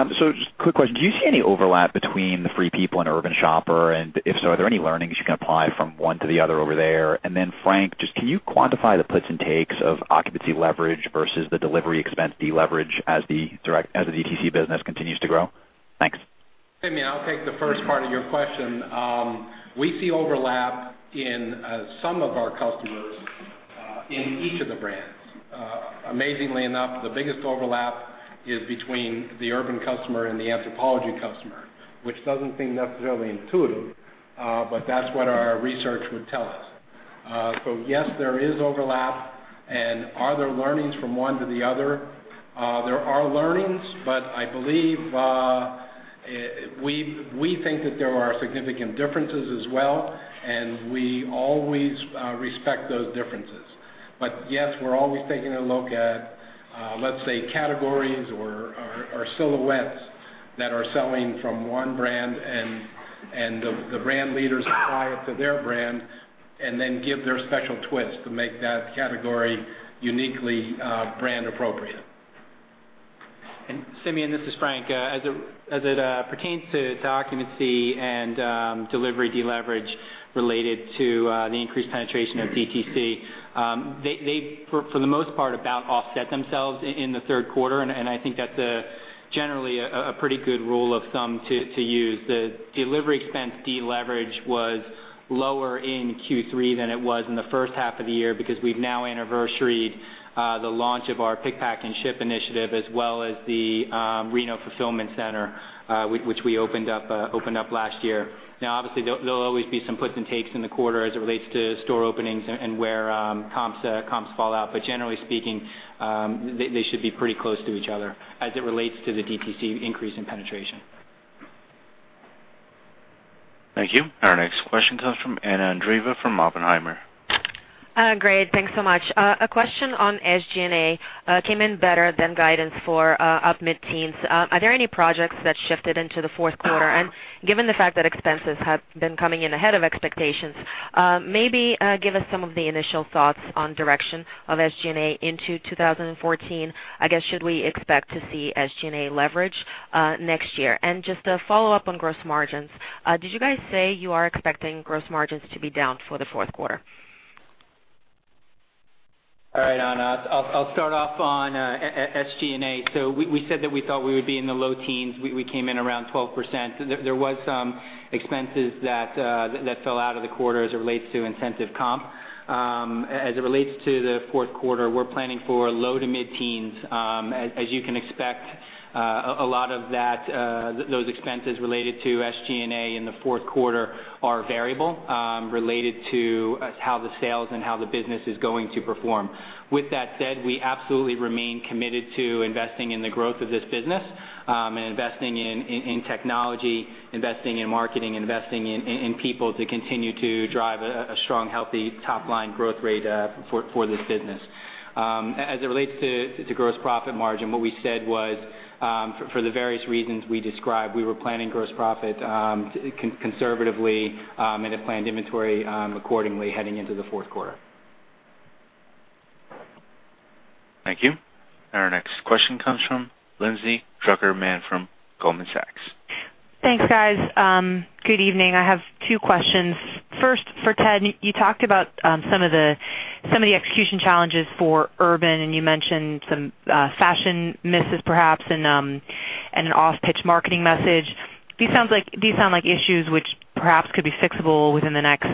Just a quick question. Do you see any overlap between the Free People and Urban Shopper? If so, are there any learnings you can apply from one to the other over there? Frank, just can you quantify the puts and takes of occupancy leverage versus the delivery expense deleverage as the DTC business continues to grow? Thanks. Simeon, I'll take the first part of your question. We see overlap in some of our customers in each of the brands. Amazingly enough, the biggest overlap is between the Urban customer and the Anthropologie customer, which doesn't seem necessarily intuitive, but that's what our research would tell us. Yes, there is overlap. Are there learnings from one to the other? There are learnings, but I believe, we think that there are significant differences as well, and we always respect those differences. Yes, we're always taking a look at, let's say, categories or silhouettes that are selling from one brand, and the brand leaders apply it to their brand and then give their special twist to make that category uniquely brand appropriate. Simeon, this is Frank. As it pertains to occupancy and delivery deleverage related to the increased penetration of DTC, they for the most part, about offset themselves in the third quarter, and I think that's generally a pretty good rule of thumb to use. The delivery expense deleverage was lower in Q3 than it was in the first half of the year because we've now anniversaried the launch of our pick, pack, and ship initiative, as well as the Reno fulfillment center, which we opened up last year. Obviously, there'll always be some puts and takes in the quarter as it relates to store openings and where comps fall out. Generally speaking, they should be pretty close to each other as it relates to the DTC increase in penetration. Thank you. Our next question comes from Anna Andreeva from Oppenheimer. Great. Thanks so much. A question on SG&A. Came in better than guidance for up mid-teens%. Are there any projects that shifted into the fourth quarter? Given the fact that expenses have been coming in ahead of expectations, maybe give us some of the initial thoughts on direction of SG&A into 2014. I guess, should we expect to see SG&A leverage next year? Just a follow-up on gross margins, did you guys say you are expecting gross margins to be down for the fourth quarter? All right, Anna, I'll start off on SG&A. We said that we thought we would be in the low teens%. We came in around 12%. There was some expenses that fell out of the quarter as it relates to incentive comp. As it relates to the fourth quarter, we're planning for low to mid-teens%. As you can expect, a lot of those expenses related to SG&A in the fourth quarter are variable related to how the sales and how the business is going to perform. With that said, we absolutely remain committed to investing in the growth of this business, and investing in technology, investing in marketing, investing in people to continue to drive a strong, healthy top-line growth rate for this business. As it relates to gross profit margin, what we said was, for the various reasons we described, we were planning gross profit conservatively and had planned inventory accordingly heading into the fourth quarter. Thank you. Our next question comes from Lindsay Drucker Mann from Goldman Sachs. Thanks, guys. Good evening. I have two questions. First, for Ted, you talked about some of the execution challenges for Urban, and you mentioned some fashion misses perhaps, an off-pitch marketing message. These sound like issues which perhaps could be fixable within the next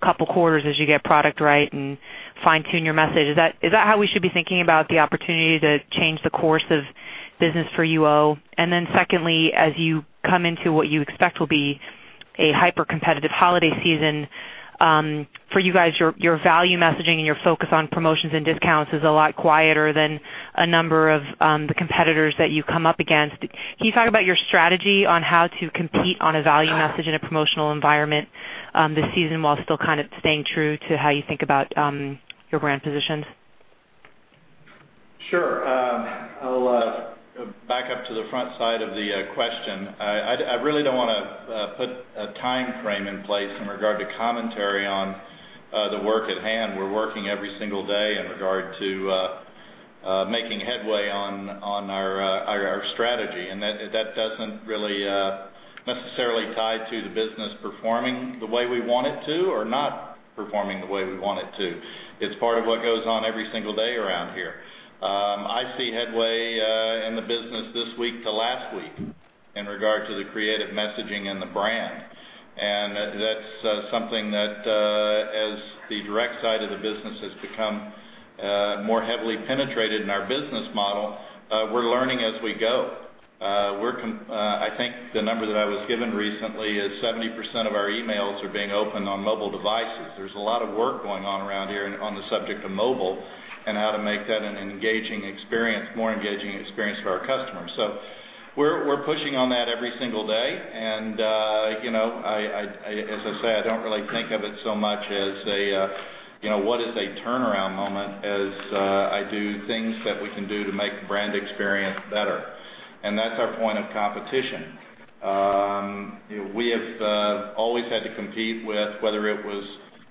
couple quarters as you get product right and fine-tune your message. Is that how we should be thinking about the opportunity to change the course of business for UO? Secondly, as you come into what you expect will be a hyper-competitive holiday season, for you guys, your value messaging and your focus on promotions and discounts is a lot quieter than a number of the competitors that you come up against. Can you talk about your strategy on how to compete on a value message in a promotional environment this season while still kind of staying true to how you think about your brand positions? Sure. I'll back up to the front side of the question. I really don't want to put a timeframe in place in regard to commentary on the work at hand. We're working every single day in regard to making headway on our strategy, and that doesn't really necessarily tie to the business performing the way we want it to or not performing the way we want it to. It's part of what goes on every single day around here. I see headway in the business this week to last week in regard to the creative messaging and the brand. That's something that as the direct side of the business has become more heavily penetrated in our business model, we're learning as we go. I think the number that I was given recently is 70% of our emails are being opened on mobile devices. There's a lot of work going on around here on the subject of mobile and how to make that an engaging experience, more engaging experience for our customers. We're pushing on that every single day. As I say, I don't really think of it so much as a what is a turnaround moment as I do things that we can do to make the brand experience better. That's our point of competition. We have always had to compete with, whether it was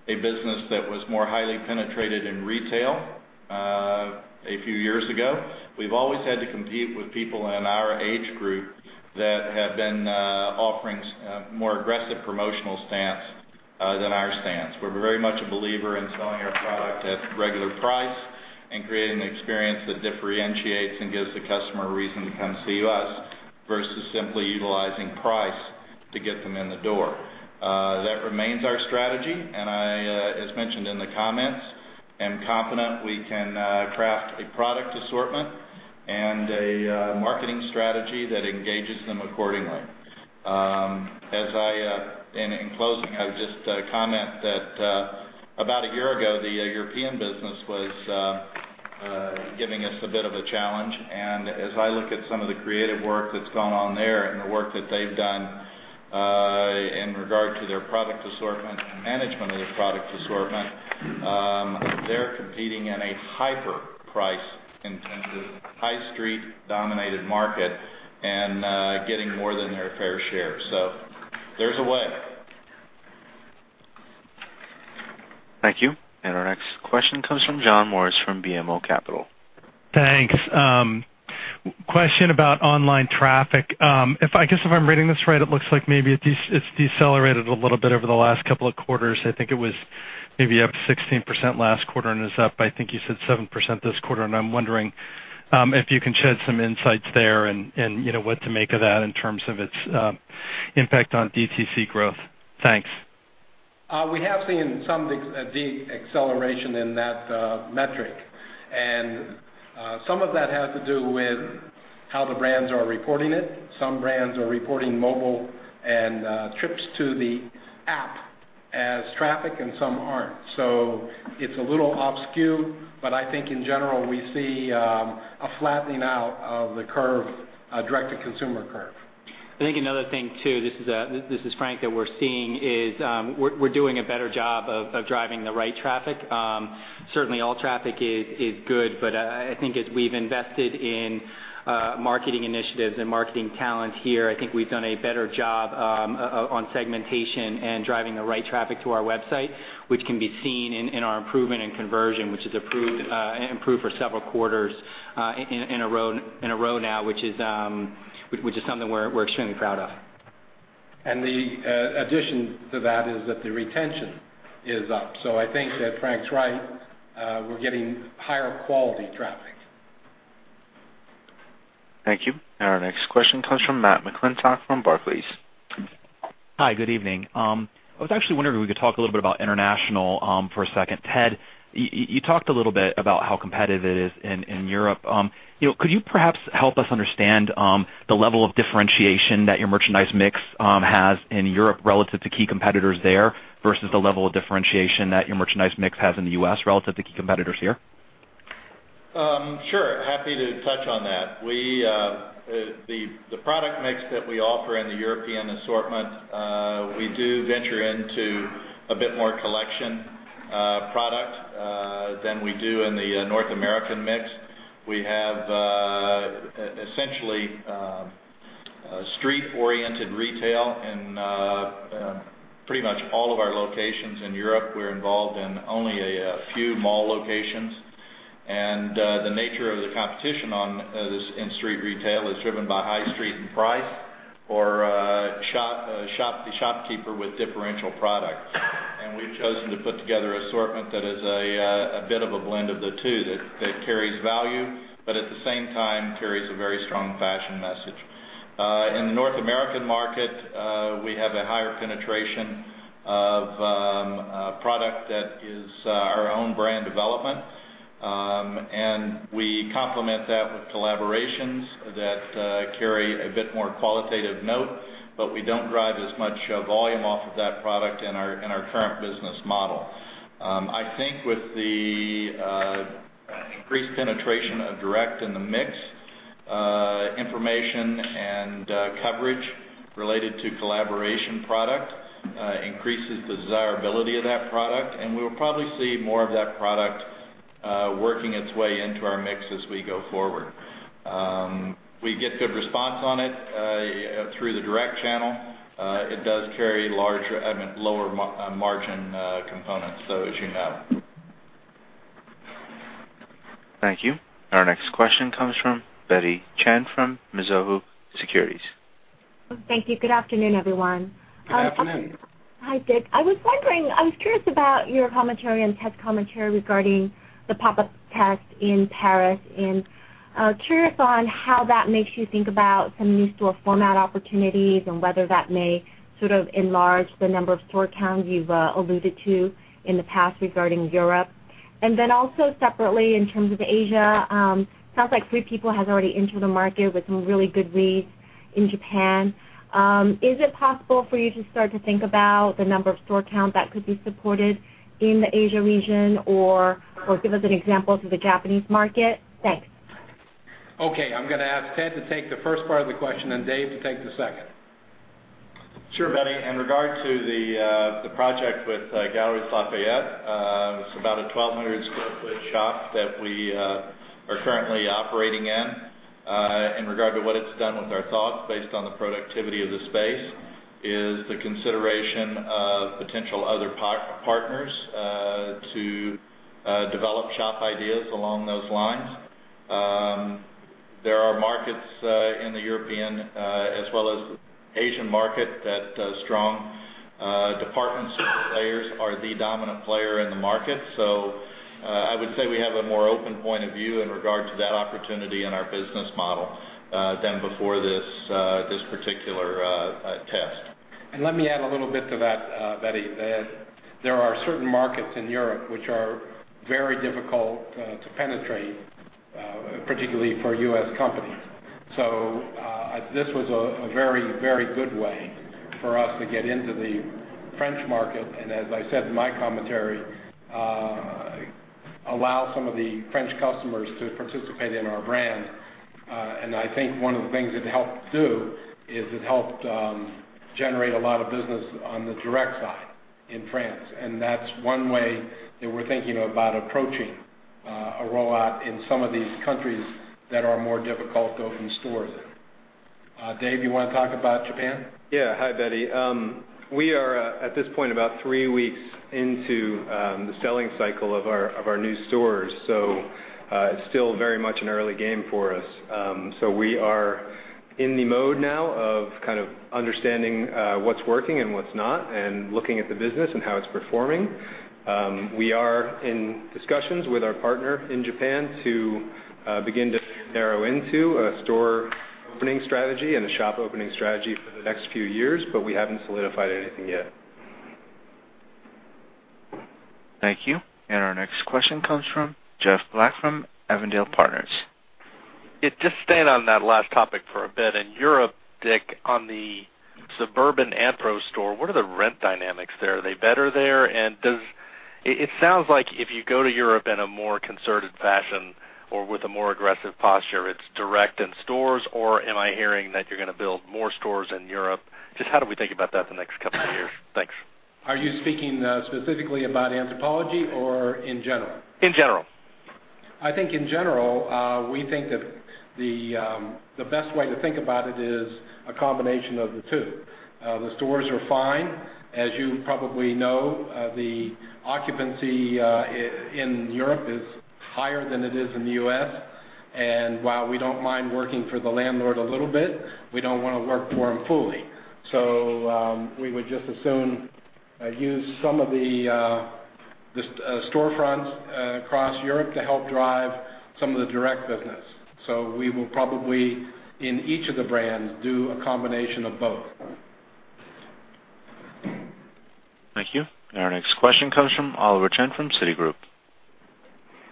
a business that was more highly penetrated in retail a few years ago. We've always had to compete with people in our age group that have been offering more aggressive promotional stance than our stance. We're very much a believer in selling our product at regular price and creating an experience that differentiates and gives the customer a reason to come see us versus simply utilizing price to get them in the door. That remains our strategy, as mentioned in the comments, I'm confident we can craft a product assortment and a marketing strategy that engages them accordingly. In closing, I would just comment that about a year ago, the European business was giving us a bit of a challenge. As I look at some of the creative work that's gone on there and the work that they've done in regard to their product assortment and management of their product assortment, they're competing in a hyper-price competitive, high street-dominated market and getting more than their fair share. There's a way. Thank you. Our next question comes from John Morris from BMO Capital. Thanks. Question about online traffic. I guess if I'm reading this right, it looks like maybe it's decelerated a little bit over the last couple of quarters. I think it was maybe up 16% last quarter and is up, I think you said 7% this quarter. I'm wondering if you can shed some insights there and what to make of that in terms of its impact on DTC growth. Thanks. We have seen some de-acceleration in that metric, some of that has to do with how the brands are reporting it. Some brands are reporting mobile and trips to the app as traffic, some aren't. It's a little obscure, but I think in general, we see a flattening out of the curve, direct-to-consumer curve. I think another thing, too, this is Frank, that we're seeing is we're doing a better job of driving the right traffic. Certainly all traffic is good, but I think as we've invested in marketing initiatives and marketing talent here, I think we've done a better job on segmentation and driving the right traffic to our website, which can be seen in our improvement in conversion, which has improved for several quarters in a row now, which is something we're extremely proud of. The addition to that is that the retention is up. I think that Frank's right. We're getting higher quality traffic. Thank you. Our next question comes from Matthew McClintock from Barclays. Hi, good evening. I was actually wondering if we could talk a little bit about international for a second. Ted, you talked a little bit about how competitive it is in Europe. Could you perhaps help us understand the level of differentiation that your merchandise mix has in Europe relative to key competitors there versus the level of differentiation that your merchandise mix has in the U.S. relative to key competitors here? Sure. Happy to touch on that. The product mix that we offer in the European assortment, we do venture into a bit more collection product than we do in the North American mix. We have essentially street-oriented retail in pretty much all of our locations in Europe. We're involved in only a few mall locations, and the nature of the competition in street retail is driven by high street and price or shopkeeper with differential product. We've chosen to put together an assortment that is a bit of a blend of the two that carries value, but at the same time carries a very strong fashion message. In the North American market, we have a higher penetration of product that is our own brand development. We complement that with collaborations that carry a bit more qualitative note, but we don't drive as much volume off of that product in our current business model. I think with the increased penetration of direct in the mix, information and coverage related to collaboration product increases the desirability of that product, and we will probably see more of that product working its way into our mix as we go forward. We get good response on it through the direct channel. It does carry lower margin components, though, as you know. Thank you. Our next question comes from Betty Chen from Mizuho Securities. Thank you. Good afternoon, everyone. Good afternoon. Hi, Dick. I was curious about your commentary and Ted's commentary regarding the pop-up test in Paris, curious on how that makes you think about some new store format opportunities and whether that may enlarge the number of store counts you've alluded to in the past regarding Europe. Also separately, in terms of Asia, sounds like Free People has already entered the market with some really good reads in Japan. Is it possible for you to start to think about the number of store count that could be supported in the Asia region, or give us an example to the Japanese market? Thanks. Okay. I'm going to ask Ted to take the first part of the question, then Dave to take the second. Sure, Betty. In regard to the project with Galeries Lafayette, it's about a 1,200 square foot shop that we are currently operating in. In regard to what it's done with our thoughts based on the productivity of the space is the consideration of potential other partners to develop shop ideas along those lines. There are markets in the European as well as Asian market that strong department store players are the dominant player in the market. I would say we have a more open point of view in regard to that opportunity in our business model than before this particular test. Let me add a little bit to that, Betty, that there are certain markets in Europe which are very difficult to penetrate, particularly for U.S. companies. This was a very good way for us to get into the French market, and as I said in my commentary, allow some of the French customers to participate in our brand. I think one of the things it helped do is it helped generate a lot of business on the direct side in France. That's one way that we're thinking about approaching a rollout in some of these countries that are more difficult to open stores in. Dave, you want to talk about Japan? Yeah. Hi, Betty Chen. We are, at this point, about three weeks into the selling cycle of our new stores, it's still very much an early game for us. We are in the mode now of kind of understanding what's working and what's not, and looking at the business and how it's performing. We are in discussions with our partner in Japan to begin to narrow into a store opening strategy and a shop opening strategy for the next few years, but we haven't solidified anything yet. Thank you. Our next question comes from Jeff Black from Avondale Partners. Yeah, just staying on that last topic for a bit. In Europe, Dick, on the suburban Anthro store, what are the rent dynamics there? Are they better there? It sounds like if you go to Europe in a more concerted fashion or with a more aggressive posture, it's direct in stores, or am I hearing that you're going to build more stores in Europe? Just how do we think about that the next couple of years? Thanks. Are you speaking specifically about Anthropologie or in general? In general. I think in general, we think that the best way to think about it is a combination of the two. The stores are fine. As you probably know, the occupancy in Europe is higher than it is in the U.S., and while we don't mind working for the landlord a little bit, we don't want to work for them fully. We would just as soon use some of the storefronts across Europe to help drive some of the direct business. We will probably, in each of the brands, do a combination of both. Thank you. Our next question comes from Oliver Chen from Citigroup.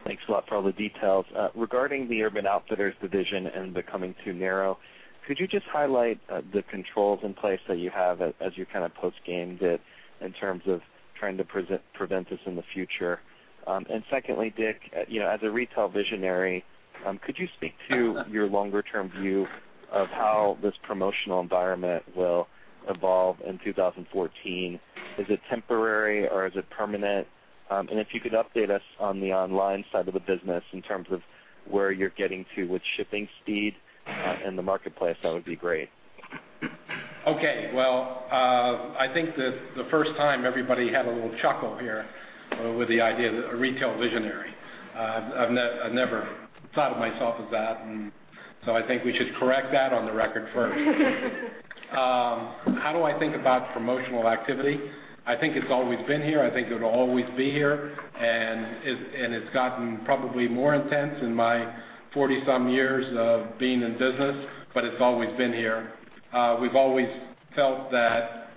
Thanks a lot for all the details. Regarding the Urban Outfitters division and becoming too narrow, could you just highlight the controls in place that you have as you kind of post-game that in terms of trying to prevent this in the future? Secondly, Dick, as a retail visionary, could you speak to your longer-term view of how this promotional environment will evolve in 2014? Is it temporary or is it permanent? If you could update us on the online side of the business in terms of where you're getting to with shipping speed and the marketplace, that would be great. Well, I think that the first time everybody had a little chuckle here with the idea that a retail visionary. I've never thought of myself as that, I think we should correct that on the record first. How do I think about promotional activity? I think it's always been here. I think it'll always be here, and it's gotten probably more intense in my 40-some years of being in business, but it's always been here. We've always felt that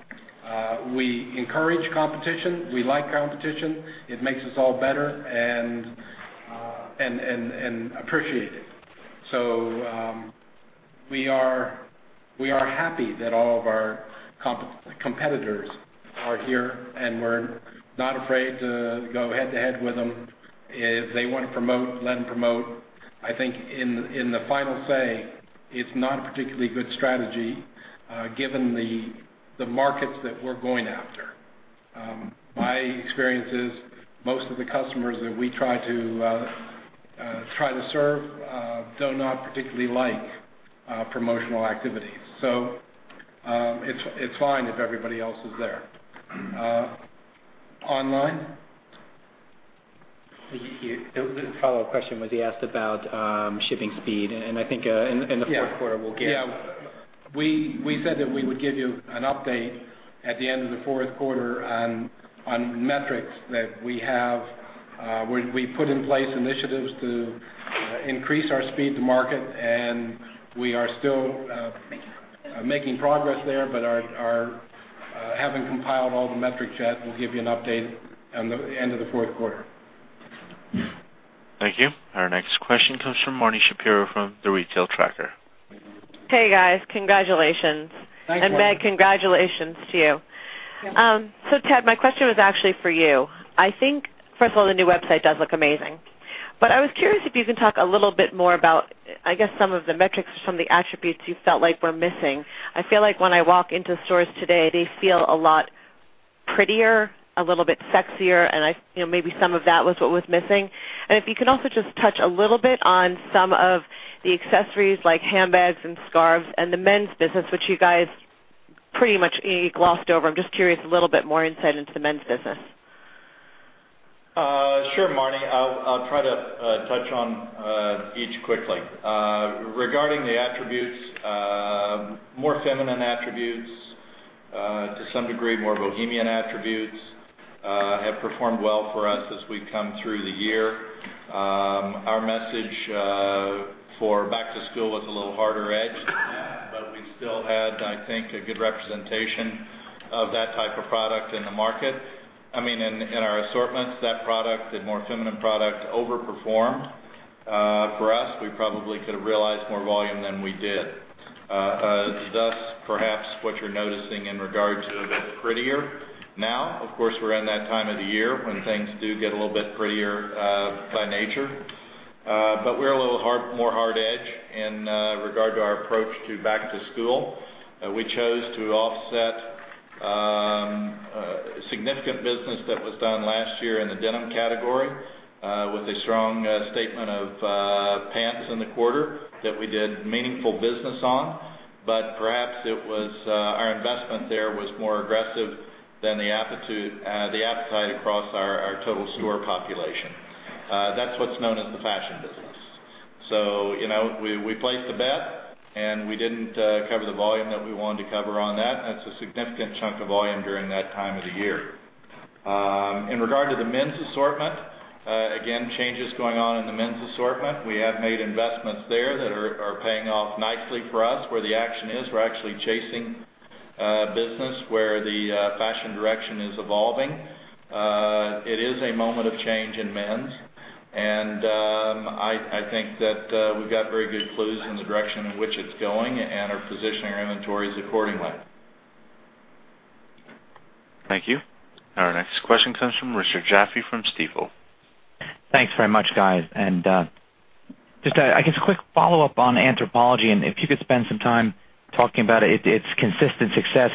we encourage competition. We like competition. It makes us all better and appreciated. We are happy that all of our competitors are here, and we're not afraid to go head to head with them. If they want to promote, let them promote. I think in the final say, it's not a particularly good strategy given the markets that we're going after. My experience is most of the customers that we try to serve do not particularly like promotional activities. It's fine if everybody else is there. Online? The follow-up question was he asked about shipping speed, and I think in the fourth quarter we'll get- Yeah. We said that we would give you an update at the end of the fourth quarter on metrics that we have. We put in place initiatives to increase our speed to market, We are still making progress there, Haven't compiled all the metrics yet. We'll give you an update at the end of the fourth quarter. Thank you. Our next question comes from Marni Shapiro from The Retail Tracker. Hey, guys. Congratulations. Thanks. Meg, congratulations to you. Yeah. Ted, my question was actually for you. First of all, the new website does look amazing. I was curious if you can talk a little bit more about, I guess, some of the metrics or some of the attributes you felt like were missing. I feel like when I walk into stores today, they feel a lot prettier, a little bit sexier, and maybe some of that was what was missing. If you can also just touch a little bit on some of the accessories, like handbags and scarves and the men's business, which you guys pretty much glossed over. I'm just curious, a little bit more insight into the men's business. Sure, Marni. I'll try to touch on each quickly. Regarding the attributes, more feminine attributes, to some degree, more bohemian attributes have performed well for us as we come through the year. Our message for back to school was a little harder edge than that, but we still had, I think, a good representation of that type of product in the market. In our assortments, that product, the more feminine product, overperformed. For us, we probably could have realized more volume than we did. Thus, perhaps what you're noticing in regards to a bit prettier now, of course, we're in that time of the year when things do get a little bit prettier by nature. We're a little more hard edge in regard to our approach to back to school. We chose to offset significant business that was done last year in the denim category with a strong statement of pants in the quarter that we did meaningful business on. Perhaps our investment there was more aggressive than the appetite across our total store population. That's what's known as the fashion business. We placed a bet, and we didn't cover the volume that we wanted to cover on that. That's a significant chunk of volume during that time of the year. In regard to the men's assortment, again, changes going on in the men's assortment. We have made investments there that are paying off nicely for us where the action is. We're actually chasing business where the fashion direction is evolving. It is a moment of change in men's, and I think that we've got very good clues in the direction in which it's going and are positioning our inventories accordingly. Thank you. Our next question comes from Richard Jaffe from Stifel. Thanks very much, guys. Just, I guess, a quick follow-up on Anthropologie, and if you could spend some time talking about its consistent success,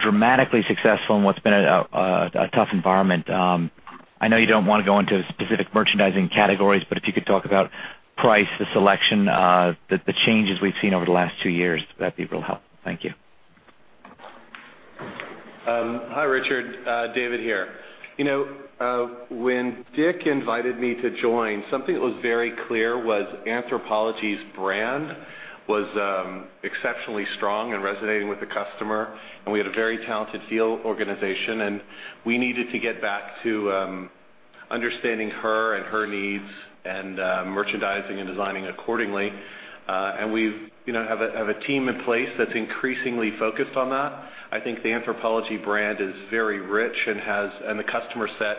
dramatically successful in what's been a tough environment. I know you don't want to go into specific merchandising categories, if you could talk about price, the selection, the changes we've seen over the last two years, that'd be a real help. Thank you. Hi, Richard. David here. When Dick invited me to join, something that was very clear was Anthropologie's brand was exceptionally strong and resonating with the customer, we had a very talented field organization, we needed to get back to understanding her and her needs and merchandising and designing accordingly. We have a team in place that's increasingly focused on that. I think the Anthropologie brand is very rich and the customer set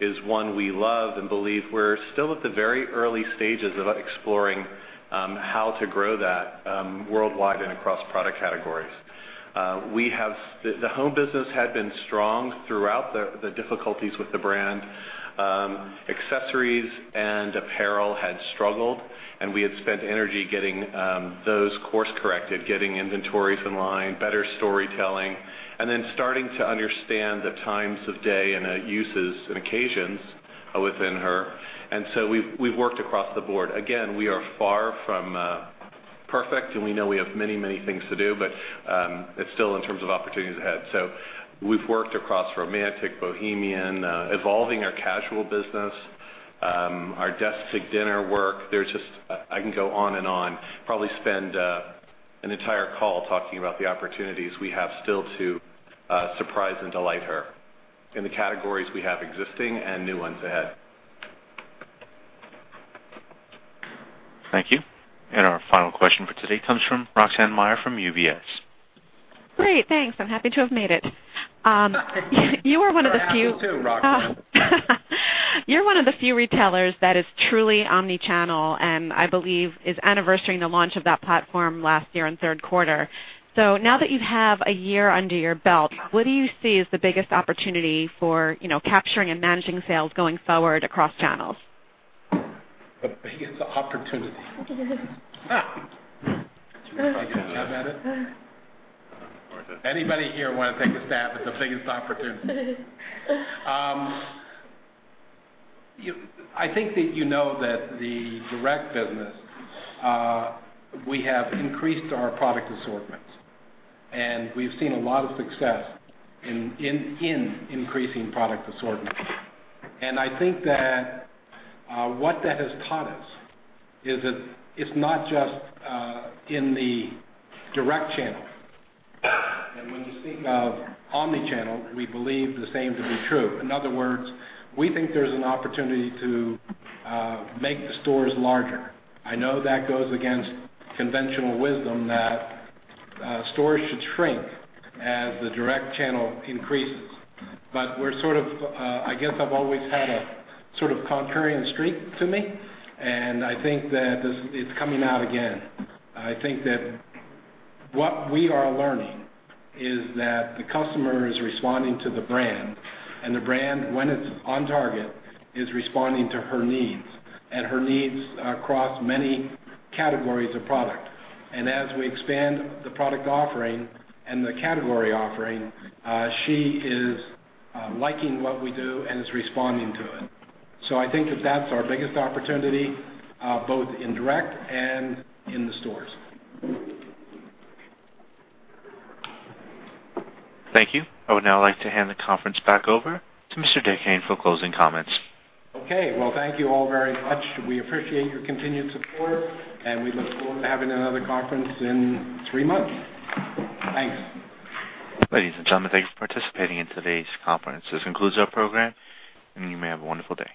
is one we love and believe we're still at the very early stages of exploring how to grow that worldwide and across product categories. The home business had been strong throughout the difficulties with the brand. Accessories and apparel had struggled, we had spent energy getting those course-corrected, getting inventories in line, better storytelling, then starting to understand the times of day and uses and occasions within her. We've worked across the board. Again, we are far from perfect, we know we have many things to do, it's still in terms of opportunities ahead. We've worked across romantic, bohemian, evolving our casual business, our desk-to-dinner work. I can go on and on, probably spend an entire call talking about the opportunities we have still to surprise and delight her in the categories we have existing and new ones ahead. Thank you. Our final question for today comes from Roxanne Meyer from UBS. Great. Thanks. I'm happy to have made it. That happens to Roxanne. You're one of the few retailers that is truly omnichannel, and I believe is anniversarying the launch of that platform last year in third quarter. Now that you have a year under your belt, what do you see as the biggest opportunity for capturing and managing sales going forward across channels? The biggest opportunity. Anybody here want to take a stab at the biggest opportunity? I think that you know that the direct business, we have increased our product assortments, and we've seen a lot of success in increasing product assortments. I think that what that has taught us is that it's not just in the direct channel. When we speak of omnichannel, we believe the same to be true. In other words, we think there's an opportunity to make the stores larger. I know that goes against conventional wisdom that stores should shrink as the direct channel increases. I guess I've always had a sort of contrarian streak to me, and I think that it's coming out again. I think that what we are learning is that the customer is responding to the brand, and the brand, when it's on target, is responding to her needs and her needs across many categories of product. As we expand the product offering and the category offering, she is liking what we do and is responding to it. I think that that's our biggest opportunity, both in direct and in the stores. Thank you. I would now like to hand the conference back over to Mr. Richard Hayne for closing comments. Okay. Well, thank you all very much. We appreciate your continued support, and we look forward to having another conference in three months. Thanks. Ladies and gentlemen, thank you for participating in today's conference. This concludes our program, and you may have a wonderful day.